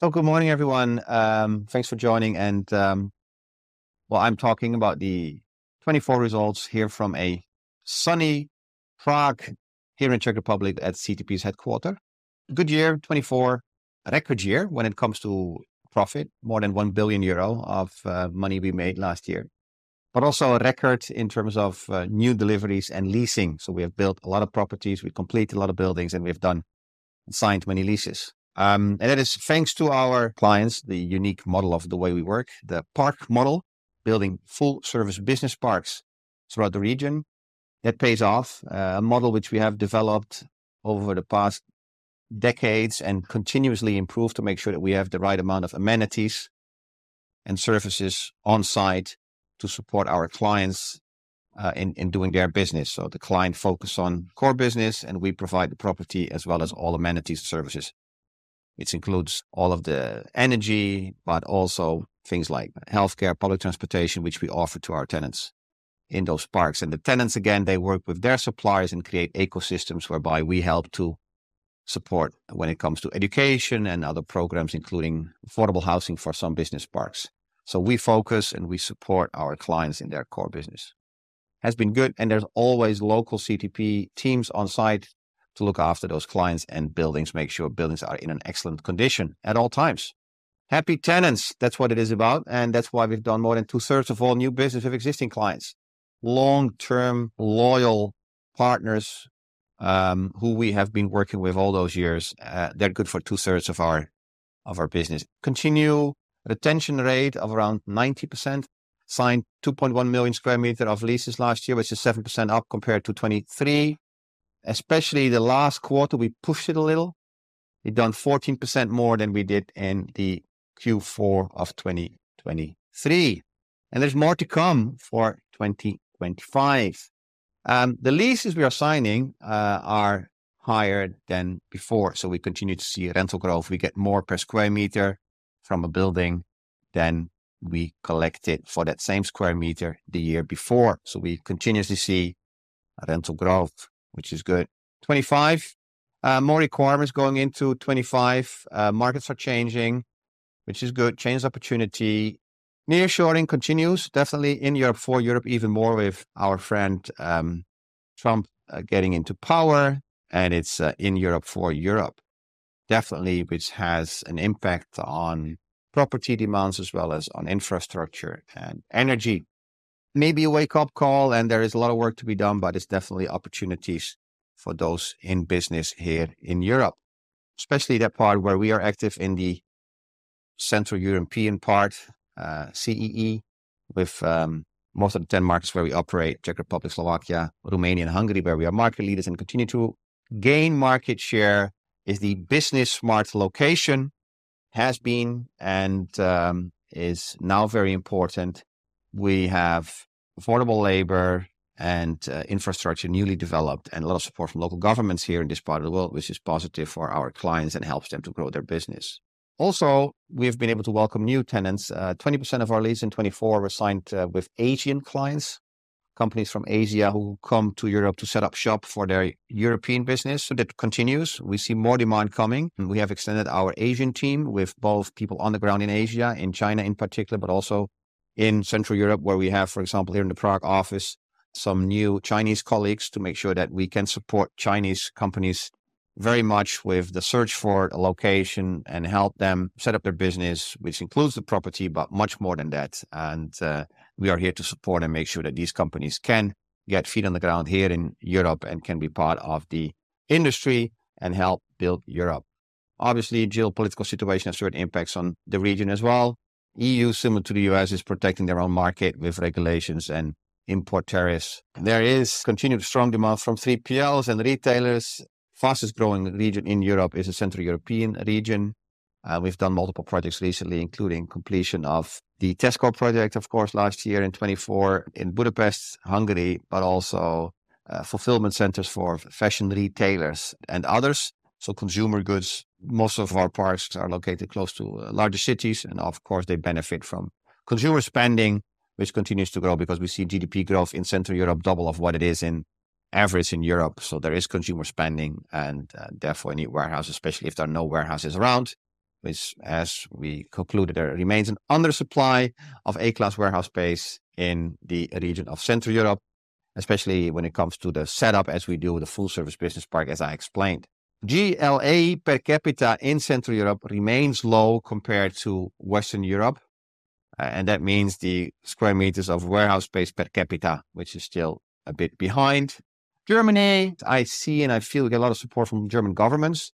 Good morning, everyone. Thanks for joining, and well, I'm talking about the 2024 results here from a sunny Prague here in the Czech Republic at CTP's headquarters. Good year, 2024, a record year when it comes to profit, more than 1 billion euro of money we made last year, but also a record in terms of new deliveries and leasing. We have built a lot of properties, we've completed a lot of buildings, and we've signed many leases. That is thanks to our clients, the unique model of the way we work, the Park model, building full-service business parks throughout the region. That pays off, a model which we have developed over the past decades and continuously improved to make sure that we have the right amount of amenities and services onsite to support our clients in doing their business. So the client focuses on core business, and we provide the property as well as all amenities and services. It includes all of the energy, but also things like healthcare, public transportation, which we offer to our tenants in those parks. And the tenants, again, they work with their suppliers and create ecosystems whereby we help to support when it comes to education and other programs, including affordable housing for some business parks. So we focus and we support our clients in their core business. Has been good, and there's always local CTP teams onsite to look after those clients and buildings, make sure buildings are in excellent condition at all times. Happy tenants, that's what it is about, and that's why we've done more than two-thirds of all new business with existing clients. Long-term loyal partners, who we have been working with all those years, they're good for two-thirds of our, of our business. Continued retention rate of around 90%, signed 2.1 million sq m of leases last year, which is 7% up compared to 2023. Especially the last quarter, we pushed it a little. We've done 14% more than we did in the Q4 of 2023, and there's more to come for 2025. The leases we are signing are higher than before, so we continue to see rental growth. We get more per square meter from a building than we collected for that same square meter the year before. So we continuously see rental growth, which is good. 2025, more requirements going into 2025. Markets are changing, which is good, change opportunity. Nearshoring continues, definitely in Europe for Europe, even more with our friend, Trump, getting into power, and it's in Europe for Europe. Definitely, which has an impact on property demands as well as on infrastructure and energy. Maybe a wake-up call, and there is a lot of work to be done, but it's definitely opportunities for those in business here in Europe, especially that part where we are active in the Central European part, CEE, with most of the 10 markets where we operate: Czech Republic, Slovakia, Romania, and Hungary, where we are market leaders and continue to gain market share. It's the business smart location has been and is now very important. We have affordable labor and infrastructure newly developed and a lot of support from local governments here in this part of the world, which is positive for our clients and helps them to grow their business. Also, we've been able to welcome new tenants. 20% of our leases in 2024 were signed, with Asian clients, companies from Asia who come to Europe to set up shop for their European business. So that continues. We see more demand coming. We have extended our Asian team with both people on the ground in Asia, in China in particular, but also in Central Europe, where we have, for example, here in the Prague office, some new Chinese colleagues to make sure that we can support Chinese companies very much with the search for a location and help them set up their business, which includes the property, but much more than that, and we are here to support and make sure that these companies can get feet on the ground here in Europe and can be part of the industry and help build Europe. Obviously, the geopolitical situation has certain impacts on the region as well. The EU, similar to the U.S., is protecting their own market with regulations and import tariffs. There is continued strong demand from 3PLs and retailers. The fastest growing region in Europe is the Central European region. We've done multiple projects recently, including completion of the Tesco project, of course, last year in 2024 in Budapest, Hungary, but also, fulfillment centers for fashion retailers and others. So consumer goods, most of our parks are located close to larger cities, and of course, they benefit from consumer spending, which continues to grow because we see GDP growth in Central Europe double of what it is in average in Europe. So there is consumer spending and, therefore any warehouses, especially if there are no warehouses around, which, as we concluded, there remains an undersupply of A-class warehouse space in the region of Central Europe, especially when it comes to the setup as we do with a full-service business park, as I explained. GLA per capita in Central Europe remains low compared to Western Europe, and that means the square meters of warehouse space per capita, which is still a bit behind. Germany, I see and I feel we get a lot of support from German governments,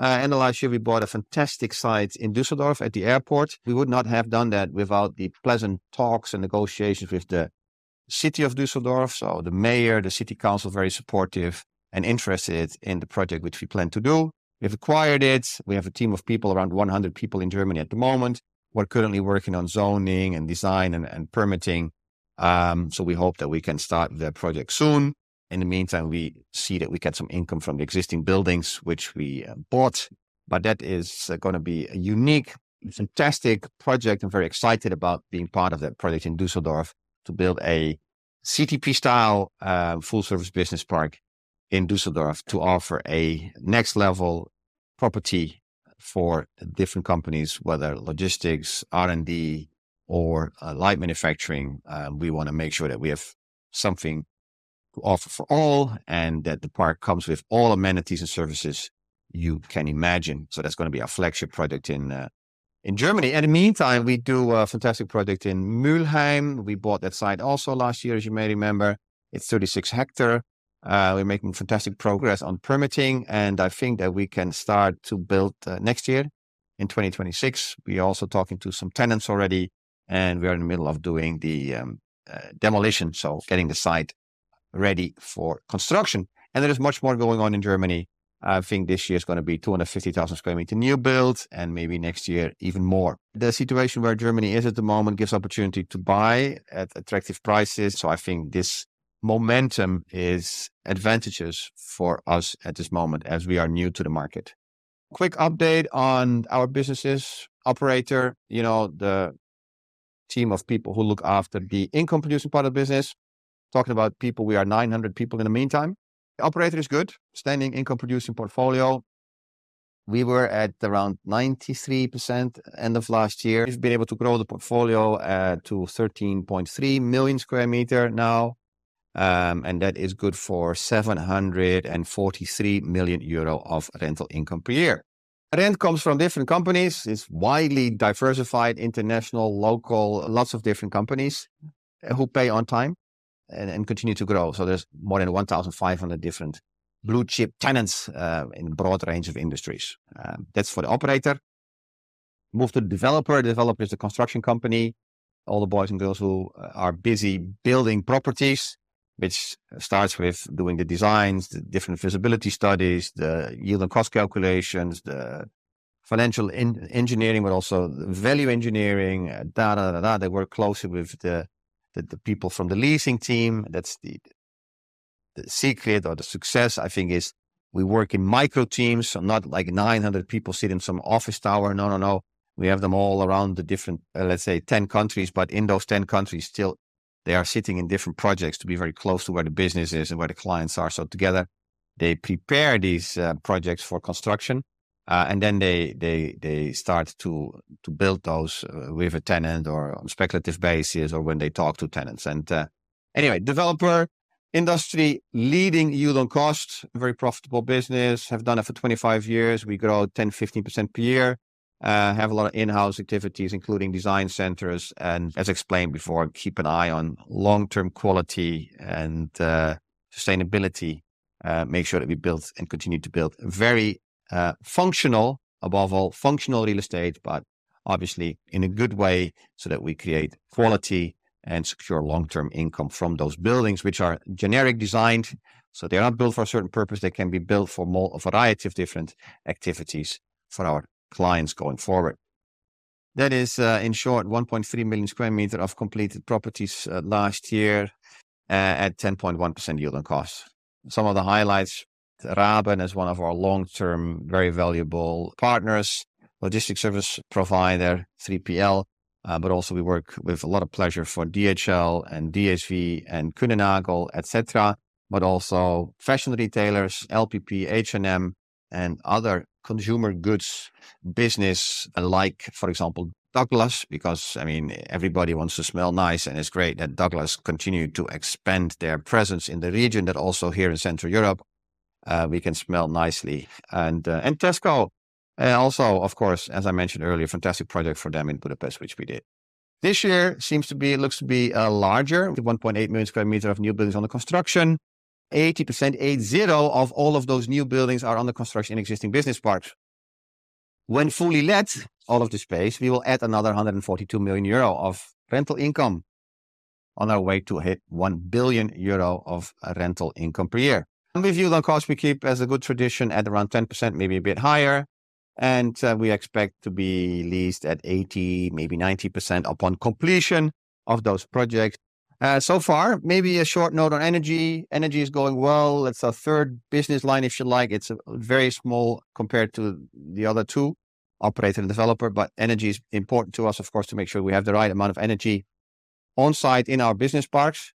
and last year we bought a fantastic site in Düsseldorf at the airport. We would not have done that without the pleasant talks and negotiations with the city of Düsseldorf, so the mayor, the city council, very supportive and interested in the project which we plan to do. We've acquired it. We have a team of people, around 100 people in Germany at the moment, who are currently working on zoning and design and permitting. So we hope that we can start the project soon. In the meantime, we see that we get some income from the existing buildings, which we bought, but that is going to be a unique, fantastic project. I'm very excited about being part of that project in Düsseldorf to build a CTP-style, full-service business park in Düsseldorf to offer a next-level property for different companies, whether logistics, R&D, or light manufacturing. We want to make sure that we have something to offer for all and that the park comes with all amenities and services you can imagine. So that's going to be our flagship project in Germany. In the meantime, we do a fantastic project in Mülheim. We bought that site also last year, as you may remember. It's 36 hectares. We're making fantastic progress on permitting, and I think that we can start to build next year in 2026. We are also talking to some tenants already, and we are in the middle of doing the demolition, so getting the site ready for construction. There is much more going on in Germany. I think this year is going to be 250,000 sq m meters new builds, and maybe next year even more. The situation where Germany is at the moment gives opportunity to buy at attractive prices. I think this momentum is advantageous for us at this moment as we are new to the market. Quick update on our business's operator, you know, the team of people who look after the income-producing part of the business. Talking about people, we are 900 people in the meantime. The operator is good, standing income-producing portfolio. We were at around 93% end of last year. We've been able to grow the portfolio to 13.3 million sq m now, and that is good for 743 million euro of rental income per year. Rent comes from different companies. It's widely diversified, international, local, lots of different companies who pay on time and continue to grow. So there's more than 1,500 different blue chip tenants in a broad range of industries. That's for the operator. Move to the developer. The developer is the construction company. All the boys and girls who are busy building properties, which starts with doing the designs, the different visibility studies, the yield and cost calculations, the financial engineering, but also value engineering. They work closely with the people from the leasing team. That's the secret or the success, I think, is we work in micro teams. So not like 900 people sitting in some office tower. No, no, no. We have them all around the different, let's say 10 countries, but in those 10 countries still, they are sitting in different projects to be very close to where the business is and where the clients are. So together, they prepare these projects for construction, and then they start to build those, with a tenant or on a speculative basis or when they talk to tenants. Anyway, developer industry, leading yield on cost, very profitable business. We have done it for 25 years. We grow 10-15% per year, have a lot of in-house activities, including design centers, and as explained before, keep an eye on long-term quality and sustainability. We make sure that we build and continue to build very functional, above all, functional real estate, but obviously in a good way so that we create quality and secure long-term income from those buildings, which are generically designed. So they are not built for a certain purpose. They can be built for a variety of different activities for our clients going forward. That is, in short, 1.3 million sq m of completed properties last year at 10.1% yield on cost. Some of the highlights. Raben is one of our long-term, very valuable partners, logistics service provider, 3PL, but also we work with a lot of pleasure for DHL and DSV and Kuehne+Nagel, et cetera, but also fashion retailers, LPP, H&M, and other consumer goods business alike, for example, Douglas, because, I mean, everybody wants to smell nice, and it's great that Douglas continued to expand their presence in the region, that also here in Central Europe, we can smell nicely. And Tesco, also, of course, as I mentioned earlier, fantastic project for them in Budapest, which we did. This year seems to be, looks to be a larger 1.8 million sq m of new buildings under construction. 80% of all of those new buildings are under construction in existing business parks. When fully let, all of the space, we will add another 142 million euro of rental income on our way to hit 1 billion euro of rental income per year. With yield on cost, we keep as a good tradition at around 10%, maybe a bit higher, and we expect to be leased at 80%-90% upon completion of those projects. So far, maybe a short note on energy. Energy is going well. It's our third business line, if you like. It's very small compared to the other two, operator and developer, but energy is important to us, of course, to make sure we have the right amount of energy on site in our business parks.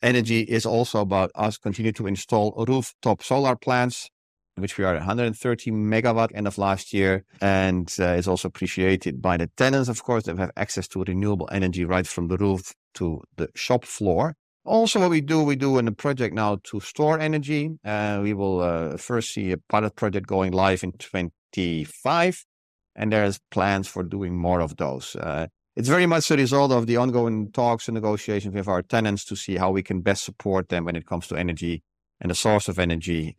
Energy is also about us continuing to install rooftop solar plants, which we are at 130 megawatts end of last year, and is also appreciated by the tenants, of course, that have access to renewable energy right from the roof to the shop floor. Also, what we do, we do in the project now to store energy. We will first see a pilot project going live in 2025, and there are plans for doing more of those. It's very much the result of the ongoing talks and negotiations with our tenants to see how we can best support them when it comes to energy and the source of energy.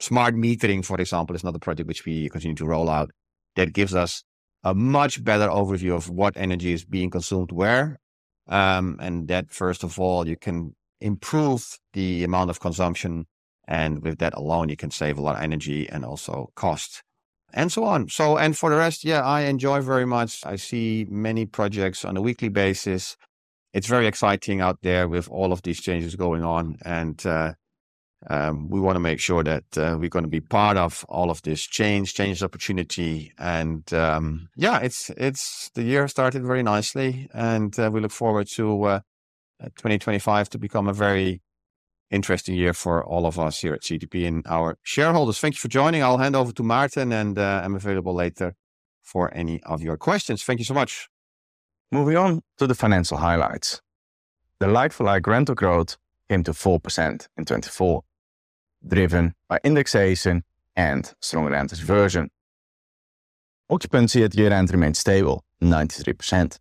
Smart metering, for example, is another project which we continue to roll out that gives us a much better overview of what energy is being consumed where. And that, first of all, you can improve the amount of consumption, and with that alone, you can save a lot of energy and also cost and so on. So for the rest, yeah, I enjoy very much. I see many projects on a weekly basis. It's very exciting out there with all of these changes going on, and we want to make sure that we're going to be part of all of this change, change opportunity. Yeah, it's the year started very nicely, and we look forward to 2025 to become a very interesting year for all of us here at CTP and our shareholders. Thank you for joining. I'll hand over to Martin, and I'm available later for any of your questions. Thank you so much. Moving on to the financial highlights. The like-for-like rental growth came to 4% in 2024, driven by indexation and stronger rental reversion. Occupancy at year-end remained stable, 93%,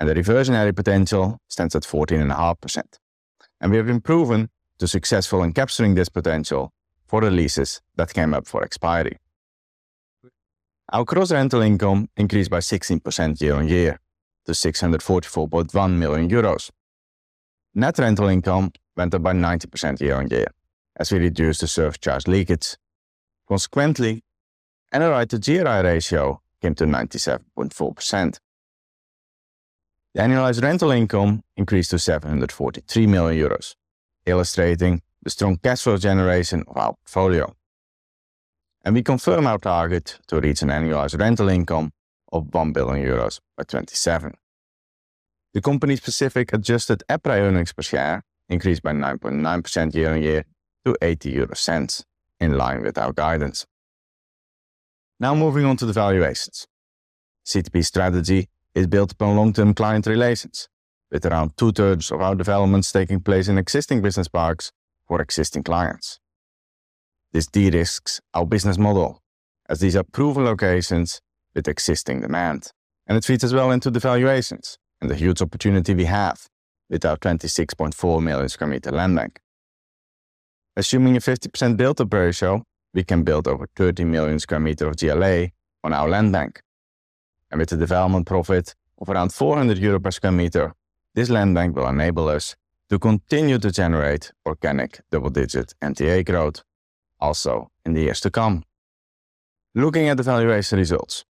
and the reversion area potential stands at 14.5%. We have been proven to be successful in capturing this potential for the leases that came up for expiry. Our gross rental income increased by 16% year on year to 644.1 million euros. Net rental income went up by 90% year on year as we reduced the service charge leakage. Consequently, annualized to GRI ratio came to 97.4%. The annualized rental income increased to 743 million euros, illustrating the strong cash flow generation of our portfolio. We confirm our target to reach an annualized rental income of 1 billion euros by 2027. The company-specific adjusted EPRA earnings per share increased by 9.9% year on year to 0.80, in line with our guidance. Now moving on to the valuations. CTP's strategy is built upon long-term client relations, with around two-thirds of our developments taking place in existing business parks for existing clients. This de-risks our business model as these are proven locations with existing demand, and it feeds as well into the valuations and the huge opportunity we have with our 26.4 million sq m land bank. Assuming a 50% build-up ratio, we can build over 30 million sq m of GLA on our land bank, and with a development profit of around 400 euro per square meter, this land bank will enable us to continue to generate organic double-digit NTA growth also in the years to come. Looking at the valuation results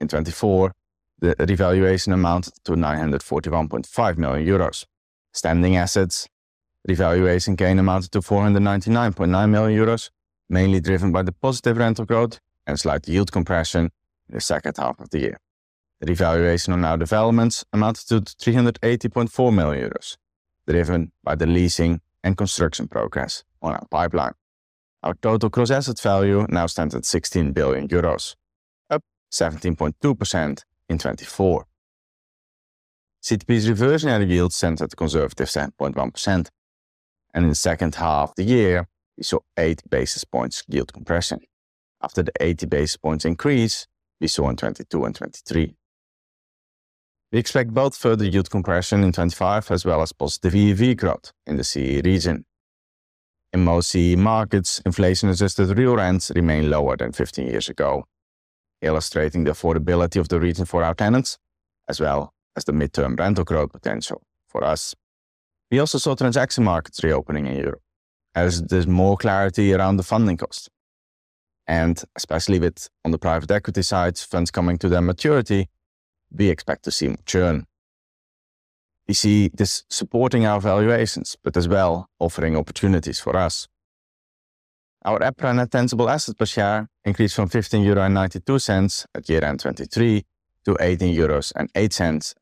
in 2024, the revaluation amounted to 941.5 million euros. Standing assets revaluation gain amounted to 499.9 million euros, mainly driven by the positive rental growth and slight yield compression in the second half of the year. The revaluation on our developments amounted to 380.4 million euros, driven by the leasing and construction progress on our pipeline. Our total gross asset value now stands at 16 billion euros, up 17.2% in 2024. CTP's reversion area yield stands at a conservative 7.1%, and in the second half of the year, we saw eight basis points yield compression after the 80 basis points increase we saw in 2022 and 2023. We expect both further yield compression in 2025 as well as positive ERV growth in the CEE region. In most CEE markets, inflation-adjusted real rents remain lower than 15 years ago, illustrating the affordability of the region for our tenants, as well as the midterm rental growth potential for us. We also saw transaction markets reopening in Europe as there's more clarity around the funding cost, and especially with, on the private equity side, funds coming to their maturity, we expect to see more churn. We see this supporting our valuations, but as well offering opportunities for us. Our EPRA net tangible asset per share increased from 15.92 euro at year-end 2023 to 18.08 euros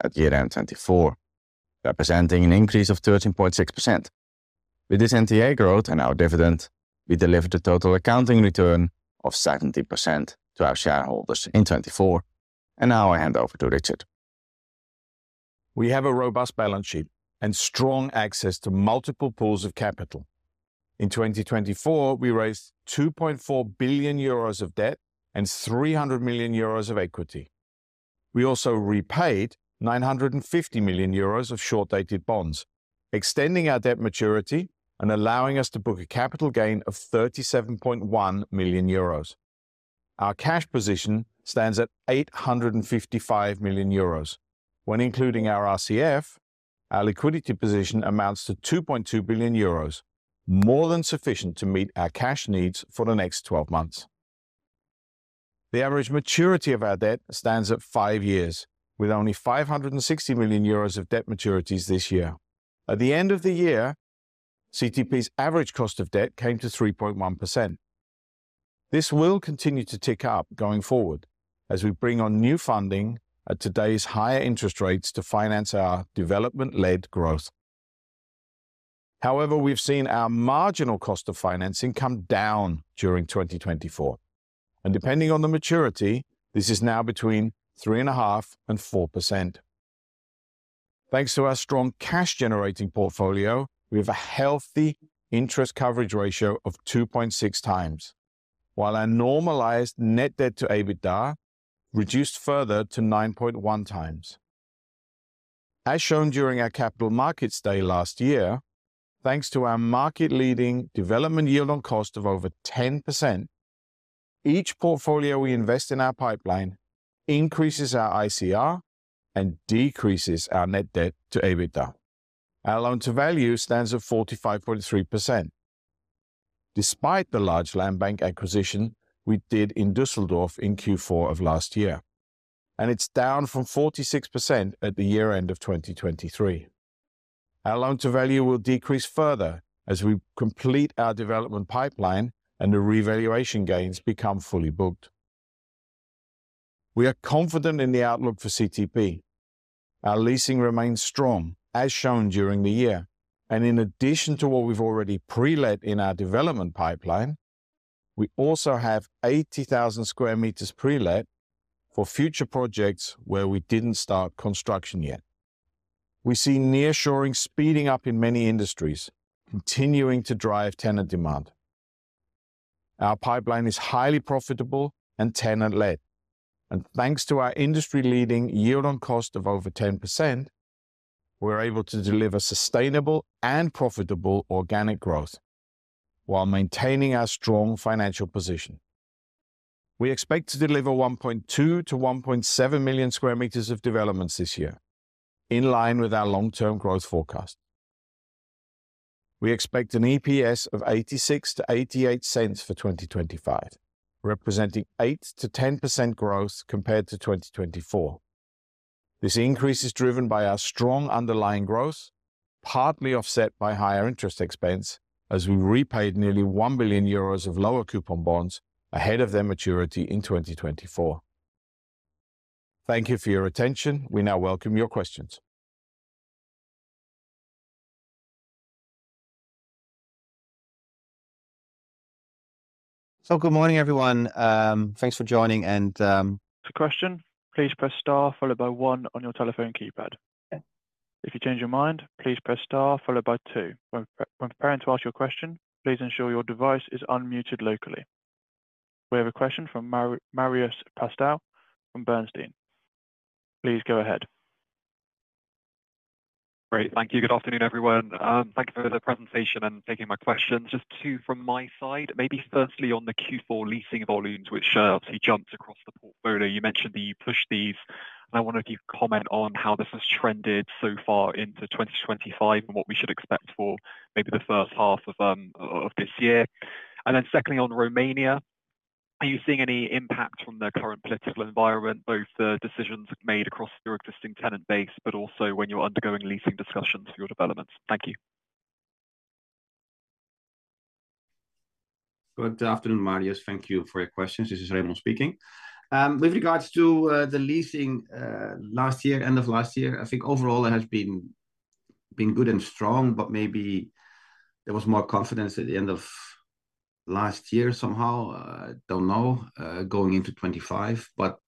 at year-end 2024, representing an increase of 13.6%. With this NTA growth and our dividend, we delivered a total accounting return of 17% to our shareholders in 2024. And now I hand over to Richard. We have a robust balance sheet and strong access to multiple pools of capital. In 2024, we raised 2.4 billion euros of debt and 300 million euros of equity. We also repaid 950 million euros of short-dated bonds, extending our debt maturity and allowing us to book a capital gain of 37.1 million euros. Our cash position stands at 855 million euros. When including our RCF, our liquidity position amounts to 2.2 billion euros, more than sufficient to meet our cash needs for the next 12 months. The average maturity of our debt stands at five years, with only 560 million euros of debt maturities this year. At the end of the year, CTP's average cost of debt came to 3.1%. This will continue to tick up going forward as we bring on new funding at today's higher interest rates to finance our development-led growth. However, we've seen our marginal cost of financing come down during 2024, and depending on the maturity, this is now between 3.5% and 4%. Thanks to our strong cash-generating portfolio, we have a healthy interest coverage ratio of 2.6 times, while our normalized net debt to EBITDA reduced further to 9.1 times. As shown during our Capital Markets Day last year, thanks to our market-leading development yield on cost of over 10%, each portfolio we invest in our pipeline increases our ICR and decreases our net debt to EBITDA. Our loan-to-value stands at 45.3%, despite the large land bank acquisition we did in Düsseldorf in Q4 of last year, and it's down from 46% at the year-end of 2023. Our loan-to-value will decrease further as we complete our development pipeline and the revaluation gains become fully booked. We are confident in the outlook for CTP. Our leasing remains strong, as shown during the year, and in addition to what we've already pre-let in our development pipeline, we also have 80,000 sq m pre-let for future projects where we didn't start construction yet. We see nearshoring speeding up in many industries, continuing to drive tenant demand. Our pipeline is highly profitable and tenant-led, and thanks to our industry-leading yield on cost of over 10%, we're able to deliver sustainable and profitable organic growth while maintaining our strong financial position. We expect to deliver 1.2-1.7 million sq m of developments this year, in line with our long-term growth forecast. We expect an EPS of 0.86-0.88 for 2025, representing 8%-10% growth compared to 2024. This increase is driven by our strong underlying growth, partly offset by higher interest expense as we repaid nearly 1 billion euros of lower coupon bonds ahead of their maturity in 2024. Thank you for your attention. We now welcome your questions. Good morning, everyone. Thanks for joining. And to ask a question, please press star followed by one on your telephone keypad. If you change your mind, please press star followed by two. When preparing to ask your question, please ensure your device is unmuted locally. We have a question from Marius Pestea from Bernstein. Please go ahead. Great. Thank you. Good afternoon, everyone. Thank you for the presentation and taking my questions. Just two from my side. Maybe firstly on the Q4 leasing volumes, which obviously jumps across the portfolio. You mentioned that you pushed these, and I wonder if you could comment on how this has trended so far into 2025 and what we should expect for maybe the first half of, of this year. And then secondly, on Romania, are you seeing any impact from the current political environment, both the decisions made across your existing tenant base, but also when you're undergoing leasing discussions for your developments? Thank you. Good afternoon, Marius. Thank you for your questions. This is Remon speaking. With regards to the leasing, last year, end of last year, I think overall it has been, been good and strong, but maybe there was more confidence at the end of last year somehow. I don't know, going into 2025, but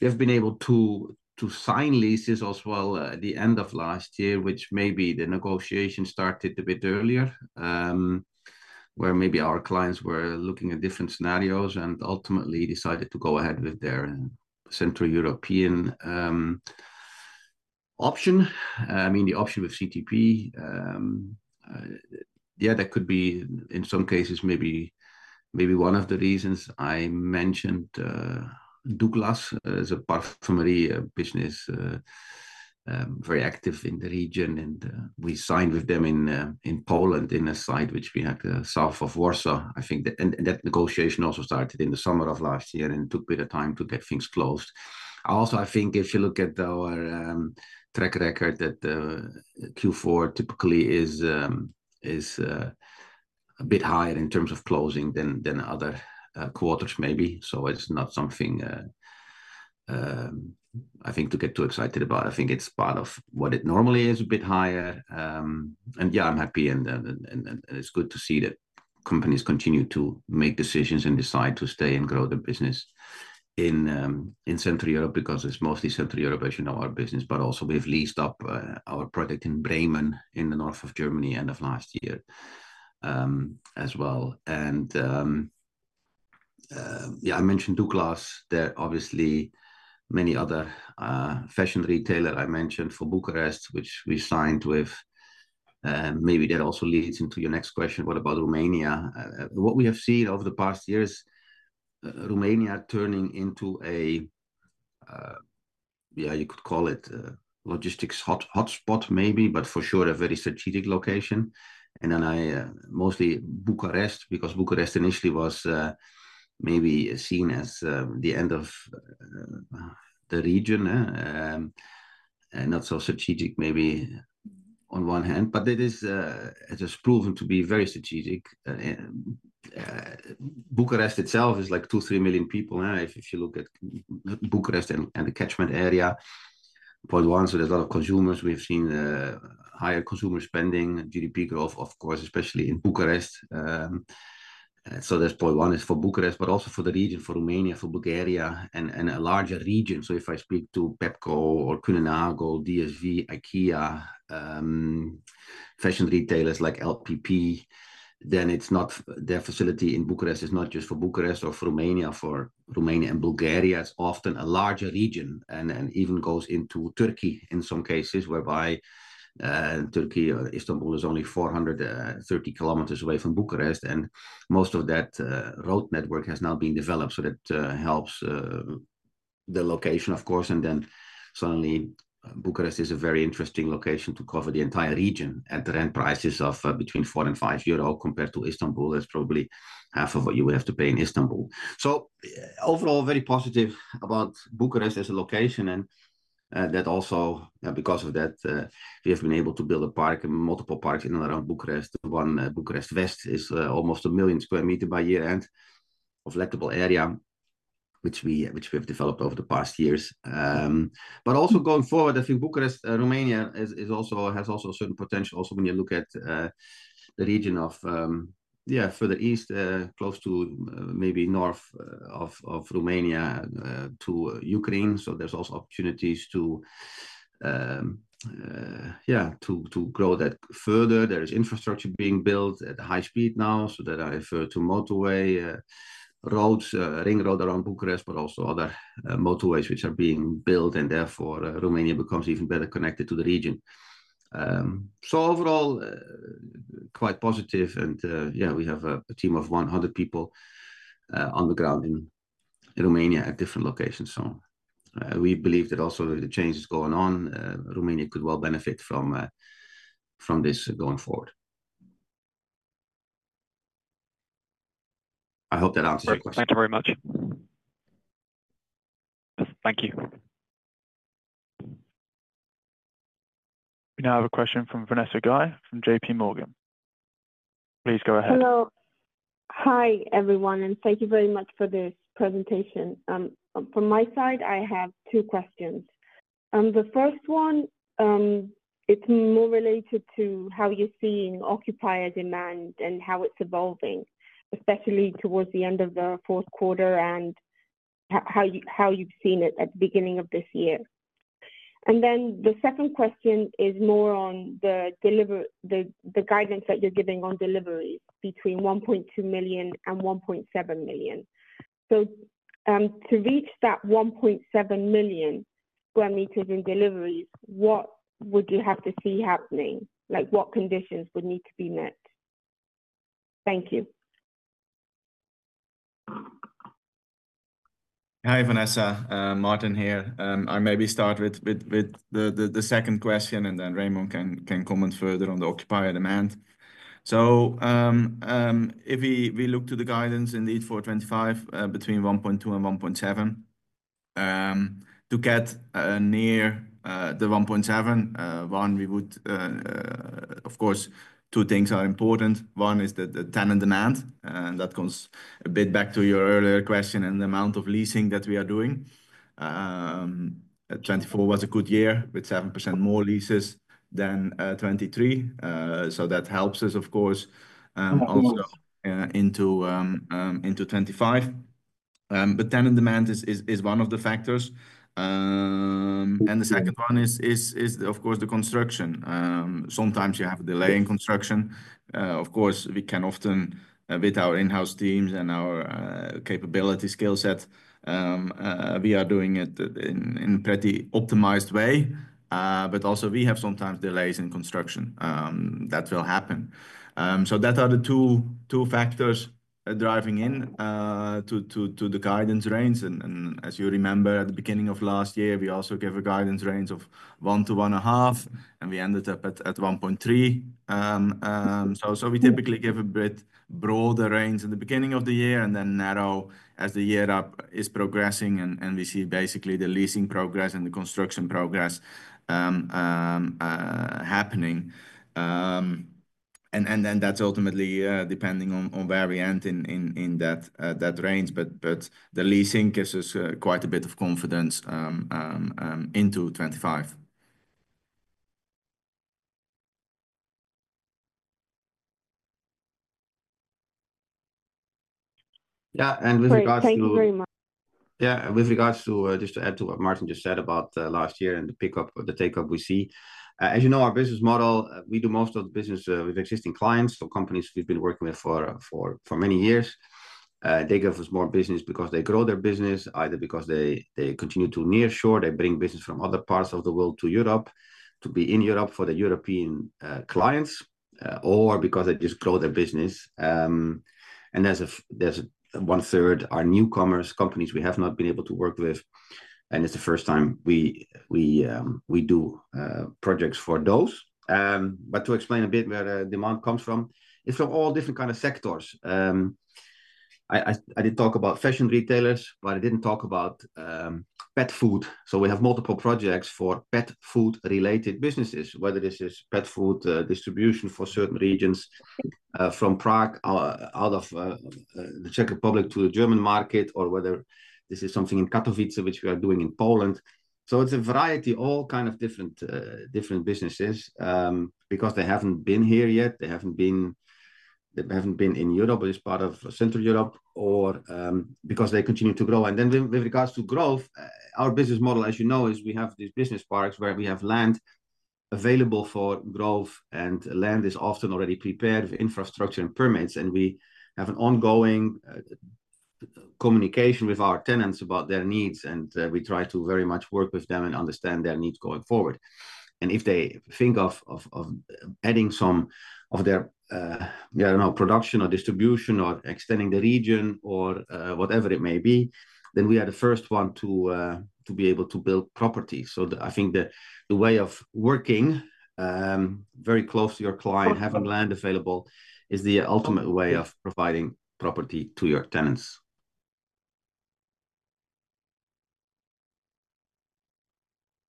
we have been able to to sign leases as well at the end of last year, which maybe the negotiation started a bit earlier, where maybe our clients were looking at different scenarios and ultimately decided to go ahead with their central European option. I mean, the option with CTP, yeah, that could be in some cases maybe one of the reasons I mentioned, Douglas as a part of a business very active in the region, and we signed with them in Poland in a site which we had south of Warsaw, I think, and that negotiation also started in the summer of last year and took a bit of time to get things closed. Also, I think if you look at our track record that Q4 typically is a bit higher in terms of closing than other quarters maybe. So it's not something I think to get too excited about. I think it's part of what it normally is, a bit higher. And yeah, I'm happy and it's good to see that companies continue to make decisions and decide to stay and grow the business in Central Europe because it's mostly Central Europe, as you know, our business, but also we've leased up our project in Bremen in the north of Germany end of last year, as well. And yeah, I mentioned Douglas. There are obviously many other fashion retailers I mentioned for Bucharest, which we signed with. And maybe that also leads into your next question. What about Romania? What we have seen over the past year is Romania turning into a, yeah, you could call it a logistics hotspot maybe, but for sure a very strategic location. And then I, mostly Bucharest because Bucharest initially was, maybe seen as, the end of, the region, not so strategic maybe on one hand, but it is, it has proven to be very strategic. Bucharest itself is like two, three million people. Now, if you look at Bucharest and the catchment area, point one, so there's a lot of consumers. We've seen, higher consumer spending, GDP growth, of course, especially in Bucharest. So that's point one is for Bucharest, but also for the region, for Romania, for Bulgaria, and a larger region. If I speak to Pepco or Kuehne+Nagel, DSV, IKEA, fashion retailers like LPP, then it's not their facility in Bucharest is not just for Bucharest or for Romania, for Romania and Bulgaria. It's often a larger region and and even goes into Turkey in some cases whereby Turkey or Istanbul is only 430 km away from Bucharest. And most of that road network has now been developed so that helps the location, of course. And then suddenly Bucharest is a very interesting location to cover the entire region at the rent prices of between 4 and 5 euro compared to Istanbul. That's probably half of what you would have to pay in Istanbul. Overall, very positive about Bucharest as a location. And that also, because of that, we have been able to build a park and multiple parks in and around Bucharest. One, Bucharest West is almost a million square meters by year-end of lettable area, which we, which we've developed over the past years. But also going forward, I think Bucharest, Romania is, is also, has also a certain potential also when you look at the region of, yeah, further east, close to maybe north of, of Romania, to Ukraine. So there's also opportunities to, yeah, to, to grow that further. There is infrastructure being built at the high speed now. So that I refer to motorway, roads, ring road around Bucharest, but also other motorways which are being built and therefore, Romania becomes even better connected to the region. So overall, quite positive and, yeah, we have a team of 100 people on the ground in, in Romania at different locations. So, we believe that also the change is going on. Romania could well benefit from this going forward. I hope that answers your question. Thank you very much. Thank you. We now have a question from Vanessa Guy from J.P. Morgan. Please go ahead. Hello. Hi everyone, and thank you very much for this presentation. From my side, I have two questions. The first one, it's more related to how you're seeing occupier demand and how it's evolving, especially towards the end of the fourth quarter and how you've seen it at the beginning of this year. And then the second question is more on the delivery, the guidance that you're giving on deliveries between 1.2 million and 1.7 million. So, to reach that 1.7 million sq m in deliveries, what would you have to see happening? Like what conditions would need to be met? Thank you. Hi Vanessa, Martin here. I maybe start with the second question and then Remon can comment further on the occupier demand. So, if we look to the guidance indeed for 2025, between 1.2 and 1.7, to get near the 1.7, we would, of course, two things are important. One is that the tenant demand, and that comes a bit back to your earlier question and the amount of leasing that we are doing. 2024 was a good year with 7% more leases than 2023. So that helps us, of course, also into 2025. But tenant demand is one of the factors. And the second one is of course the construction. Sometimes you have a delay in construction. Of course we can often, with our in-house teams and our capability skill set, we are doing it in pretty optimized way. But also we have sometimes delays in construction, that will happen. So those are the two factors driving into the guidance range. And as you remember at the beginning of last year, we also gave a guidance range of one to one and a half and we ended up at 1.3. So we typically give a bit broader range in the beginning of the year and then narrow as the year progresses and we see basically the leasing progress and the construction progress happening. And then that's ultimately depending on where we end in that range. But the leasing gives us quite a bit of confidence into 2025. Yeah. And with regards to, thank you very much. Yeah. With regards to, just to add to what Martin just said about last year and the pickup, the take-up we see, as you know, our business model, we do most of the business with existing clients. So companies we've been working with for many years, they give us more business because they grow their business, either because they continue to near shore, they bring business from other parts of the world to Europe to be in Europe for the European clients, or because they just grow their business. There's a one third, our newcomers companies we have not been able to work with. And it's the first time we do projects for those. To explain a bit where the demand comes from, it's from all different kinds of sectors. I did talk about fashion retailers, but I didn't talk about pet food. So we have multiple projects for pet food related businesses, whether this is pet food distribution for certain regions, from Prague out of the Czech Republic to the German market, or whether this is something in Katowice, which we are doing in Poland. So it's a variety, all kinds of different businesses, because they haven't been here yet. They haven't been in Europe, but it's part of Central Europe, because they continue to grow. And then with regards to growth, our business model, as you know, is we have these business parks where we have land available for growth and land is often already prepared with infrastructure and permits. And we have an ongoing communication with our tenants about their needs. We try to very much work with them and understand their needs going forward. If they think of adding some of their, yeah, I don't know, production or distribution or extending the region or, whatever it may be, then we are the first one to be able to build properties. I think the way of working, very close to your client, having land available is the ultimate way of providing property to your tenants.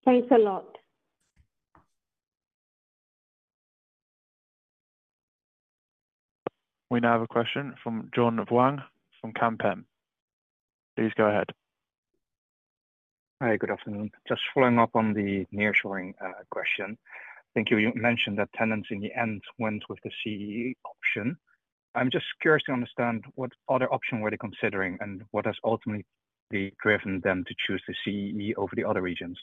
Thanks a lot. We now have a question from John Vuong from Kempen & Co. Please go ahead. Hi, good afternoon. Just following up on the nearshoring question. Thank you. You mentioned that tenants in the end went with the CEE option. I'm just curious to understand what other option were they considering and what has ultimately driven them to choose the CEE over the other regions?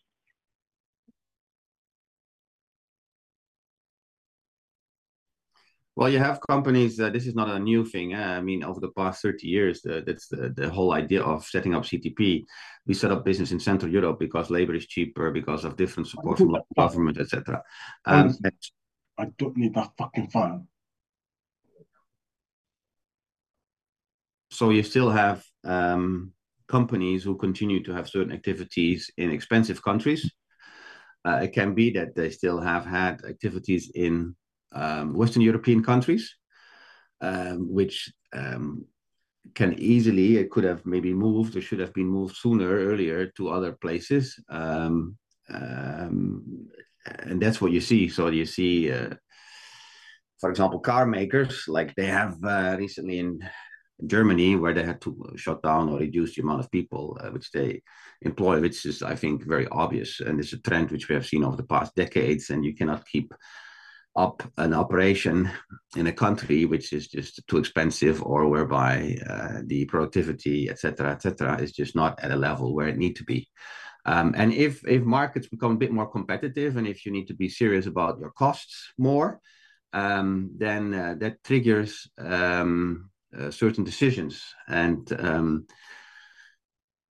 Well, you have companies; this is not a new thing. I mean, over the past 30 years, that's the, the whole idea of setting up CTP. We set up business in Central Europe because labor is cheaper, because of different support from government, et cetera. I don't need that fucking file, so you still have companies who continue to have certain activities in expensive countries. It can be that they still have had activities in Western European countries, which can easily, it could have maybe moved or should have been moved sooner, earlier to other places, and that's what you see. So you see, for example, car makers like they have recently in Germany where they had to shut down or reduce the amount of people which they employ, which is, I think, very obvious, and it's a trend which we have seen over the past decades. You cannot keep up an operation in a country which is just too expensive or whereby the productivity, et cetera, et cetera, is just not at a level where it needs to be. If markets become a bit more competitive and if you need to be serious about your costs more, then that triggers certain decisions.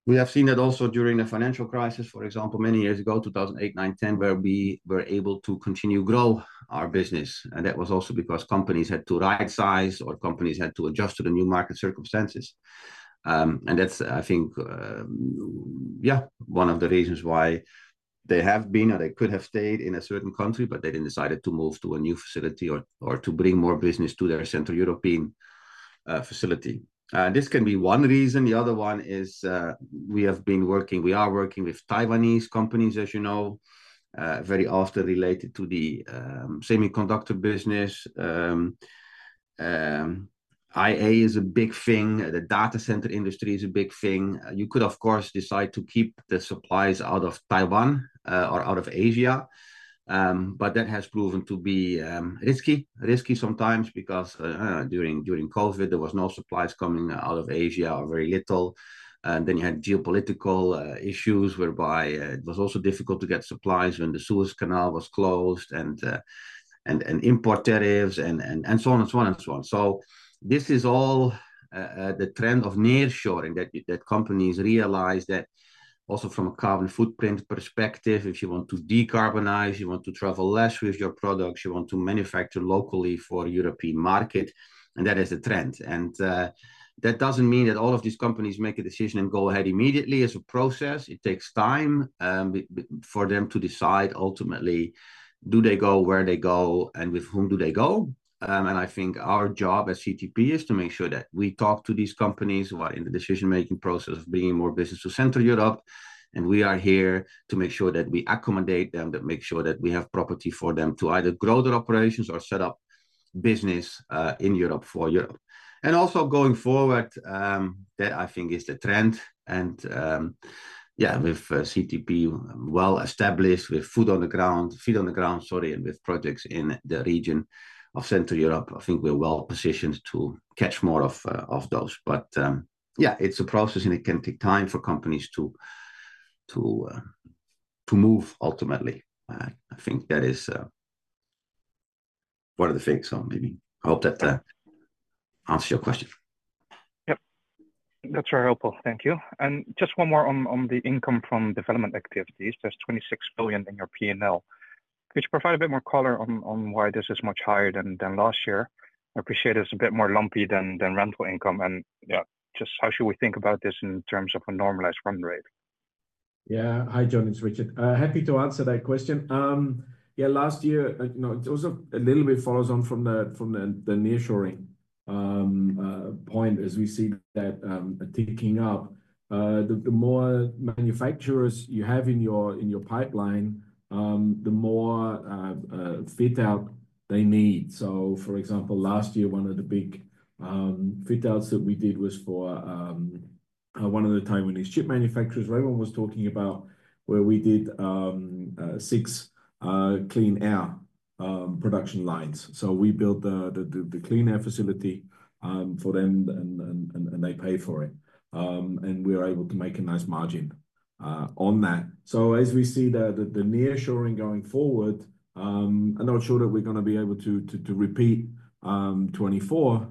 We have seen that also during the financial crisis, for example, many years ago, 2008, 2009, 2010, where we were able to continue to grow our business. That was also because companies had to right size or companies had to adjust to the new market circumstances. That's, I think, yeah, one of the reasons why they have been or they could have stayed in a certain country, but they then decided to move to a new facility or to bring more business to their Central European facility. This can be one reason. The other one is, we have been working, we are working with Taiwanese companies, as you know, very often related to the semiconductor business. AI is a big thing. The data center industry is a big thing. You could, of course, decide to keep the supplies out of Taiwan, or out of Asia. But that has proven to be risky, risky sometimes because, during COVID, there were no supplies coming out of Asia or very little. And then you had geopolitical issues whereby it was also difficult to get supplies when the Suez Canal was closed and import tariffs and so on and so on and so on. This is all the trend of nearshoring that companies realize that also from a carbon footprint perspective, if you want to decarbonize, you want to travel less with your products, you want to manufacture locally for the European market. That is the trend. That doesn't mean that all of these companies make a decision and go ahead immediately. It's a process. It takes time for them to decide ultimately, do they go where they go and with whom do they go? And I think our job as CTP is to make sure that we talk to these companies who are in the decision-making process of bringing more business to Central Europe. And we are here to make sure that we accommodate them, that make sure that we have property for them to either grow their operations or set up business in Europe for Europe. Also going forward, that I think is the trend. Yeah, with CTP well established with feet on the ground, sorry, and with projects in the region of Central Europe, I think we're well positioned to catch more of those. But yeah, it's a process and it can take time for companies to move ultimately. I think that is one of the things. So maybe I hope that answers your question. Yep. That's very helpful. Thank you. Just one more on the income from development activities. There's 26 billion in your P&L. Could you provide a bit more color on why this is much higher than last year? I appreciate it's a bit more lumpy than rental income. And yeah, just how should we think about this in terms of a normalized run rate? Yeah. Hi, John. It's Richard. Happy to answer that question. Yeah, last year, you know, it was a little bit follows on from the nearshoring point as we see that ticking up. The more manufacturers you have in your pipeline, the more fit-out they need. So for example, last year, one of the big fit-outs that we did was for one of the Taiwanese chip manufacturers Remon was talking about where we did six clean air production lines. So we built the clean air facility for them and they pay for it. And we were able to make a nice margin on that. So as we see the nearshoring going forward, I'm not sure that we're gonna be able to repeat 2024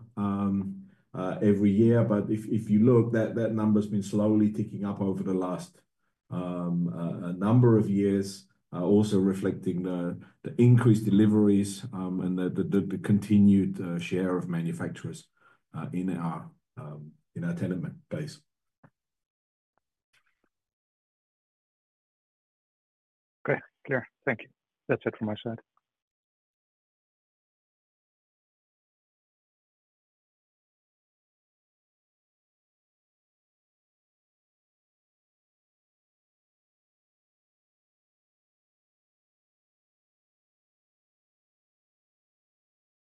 every year. But if you look, that number's been slowly ticking up over the last, a number of years, also reflecting the increased deliveries, and the continued share of manufacturers in our tenant base. Okay. Clear. Thank you. That's it from my side.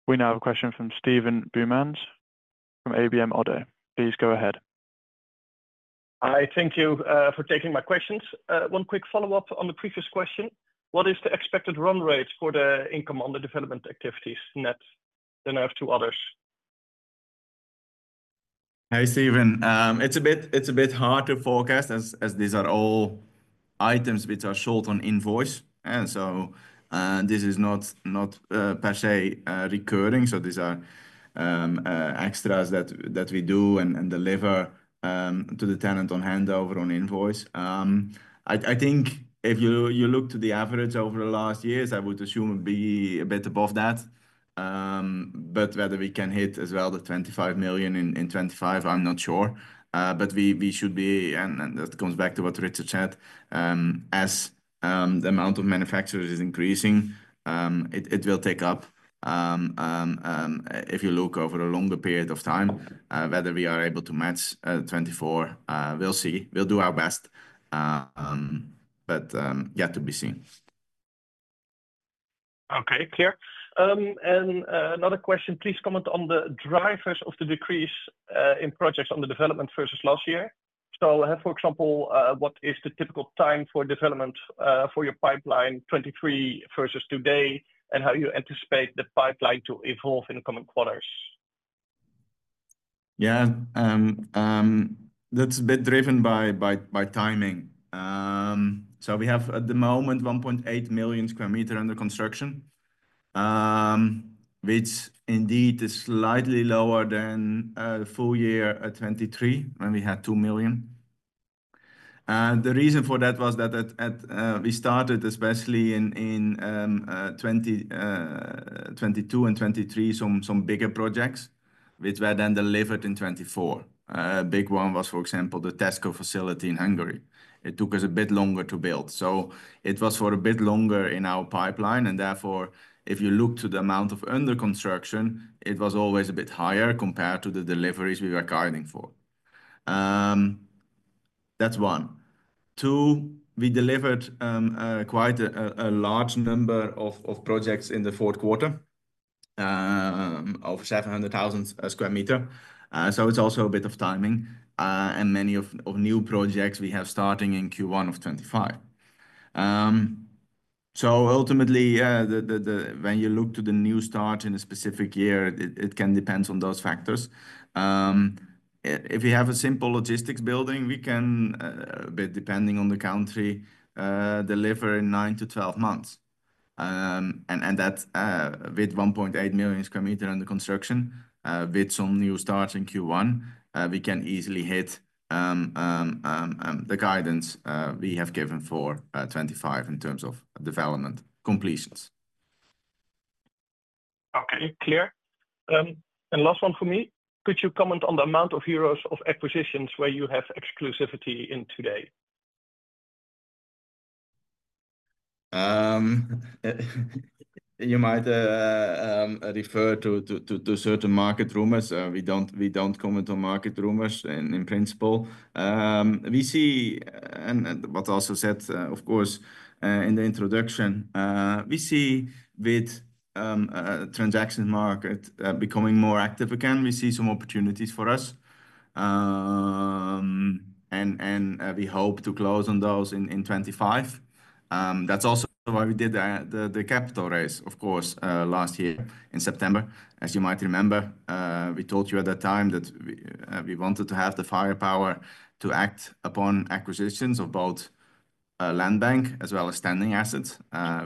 We now have a question from Steven Boumans from ABN AMRO - ODDO BHF. Please go ahead. Hi, thank you for taking my questions. One quick follow-up on the previous question. What is the expected run rate for the income on the development activities net? Then I have two others. Hi Steven. It's a bit hard to forecast as these are all items which are short on invoice. And so, this is not per se recurring. So these are extras that we do and deliver to the tenant on handover on invoice. I think if you look to the average over the last years, I would assume it'd be a bit above that. But whether we can hit as well the 25 million in 2025, I'm not sure. But we should be, and that comes back to what Richard said, as the amount of manufacturers is increasing, it will take up, if you look over a longer period of time, whether we are able to match 2024, we'll see, we'll do our best. But yet to be seen. Okay. Clear. Another question, please comment on the drivers of the decrease in projects on the development versus last year. So, for example, what is the typical time for development for your pipeline 2023 versus today and how you anticipate the pipeline to evolve in the coming quarters? Yeah. That's a bit driven by timing. We have at the moment 1.8 million sq m under construction, which indeed is slightly lower than the full year at 2023 when we had 2 million. The reason for that was that we started especially in 2020, 2022 and 2023 some bigger projects which were then delivered in 2024. A big one was, for example, the Tesco facility in Hungary. It took us a bit longer to build. It was for a bit longer in our pipeline. Therefore, if you look to the amount of under construction, it was always a bit higher compared to the deliveries we were guiding for. That's one. Two, we delivered quite a large number of projects in the fourth quarter of 700,000 sq m. It's also a bit of timing. And many of new projects we have starting in Q1 of 2025. So ultimately, when you look to the new start in a specific year, it can depend on those factors. If we have a simple logistics building, we can a bit depending on the country deliver in nine to 12 months. And that, with 1.8 million sq m under construction, with some new starts in Q1, we can easily hit the guidance we have given for 2025 in terms of development completions. Okay. Clear. And last one for me, could you comment on the amount of euros of acquisitions where you have exclusivity today? You might refer to certain market rumors. We don't comment on market rumors in principle. We see, and what also said, of course, in the introduction, we see with transaction market becoming more active again, we see some opportunities for us. We hope to close on those in 2025. That's also why we did the capital raise, of course, last year in September. As you might remember, we told you at that time that we wanted to have the firepower to act upon acquisitions of both land bank as well as standing assets.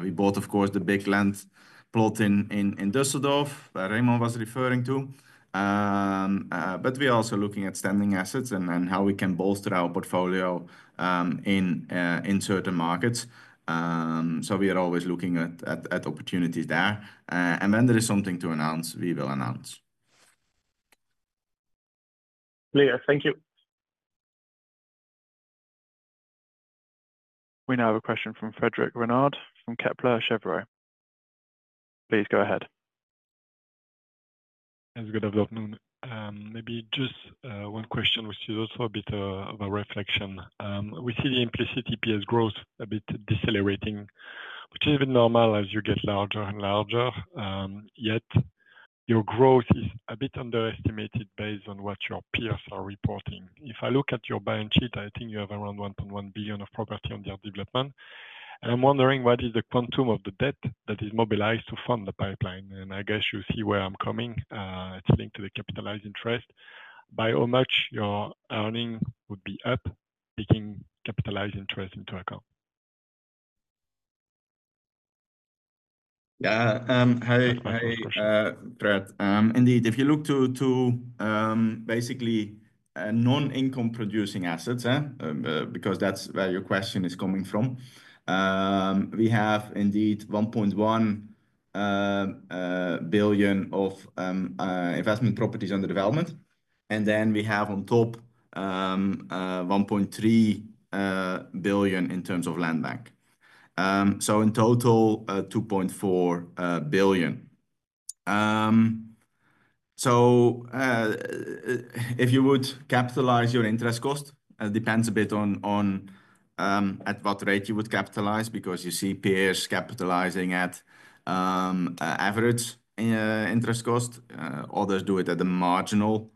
We bought, of course, the big land plot in Düsseldorf that Remon was referring to. We are also looking at standing assets and how we can bolster our portfolio in certain markets. We are always looking at opportunities there. When there is something to announce, we will announce. Clear. Thank you. We now have a question from Frédéric Renard from Kepler Cheuvreux. Please go ahead. Good afternoon. Maybe just one question, which is also a bit of a reflection. We see the implicit EPS growth a bit decelerating, which is a bit normal as you get larger and larger. Yet your growth is a bit underestimated based on what your peers are reporting. If I look at your balance sheet, I think you have around 1.1 billion of properties under development. And I'm wondering what is the quantum of the debt that is mobilized to fund the pipeline? And I guess you see where I'm coming from. It's linked to the capitalized interest. By how much your earnings would be up taking capitalized interest into account? Yeah. Hi, hi, Fred. Indeed, if you look to basically non-income producing assets, because that's where your question is coming from, we have indeed 1.1 billion of investment properties under development. And then we have on top 1.3 billion in terms of land bank. So in total, 2.4 billion. So, if you would capitalize your interest cost, it depends a bit on at what rate you would capitalize because you see peers capitalizing at average interest cost. Others do it at the marginal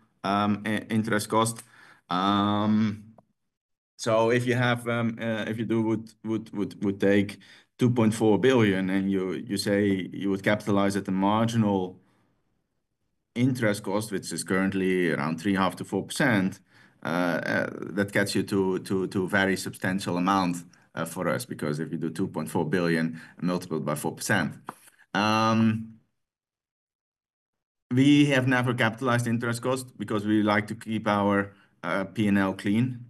interest cost. So if you have, if you do, would take 2.4 billion and you say you would capitalize at the marginal interest cost, which is currently around three and a half to 4%, that gets you to a very substantial amount for us because if you do 2.4 billion multiplied by 4%, we have never capitalized interest cost because we like to keep our P&L clean.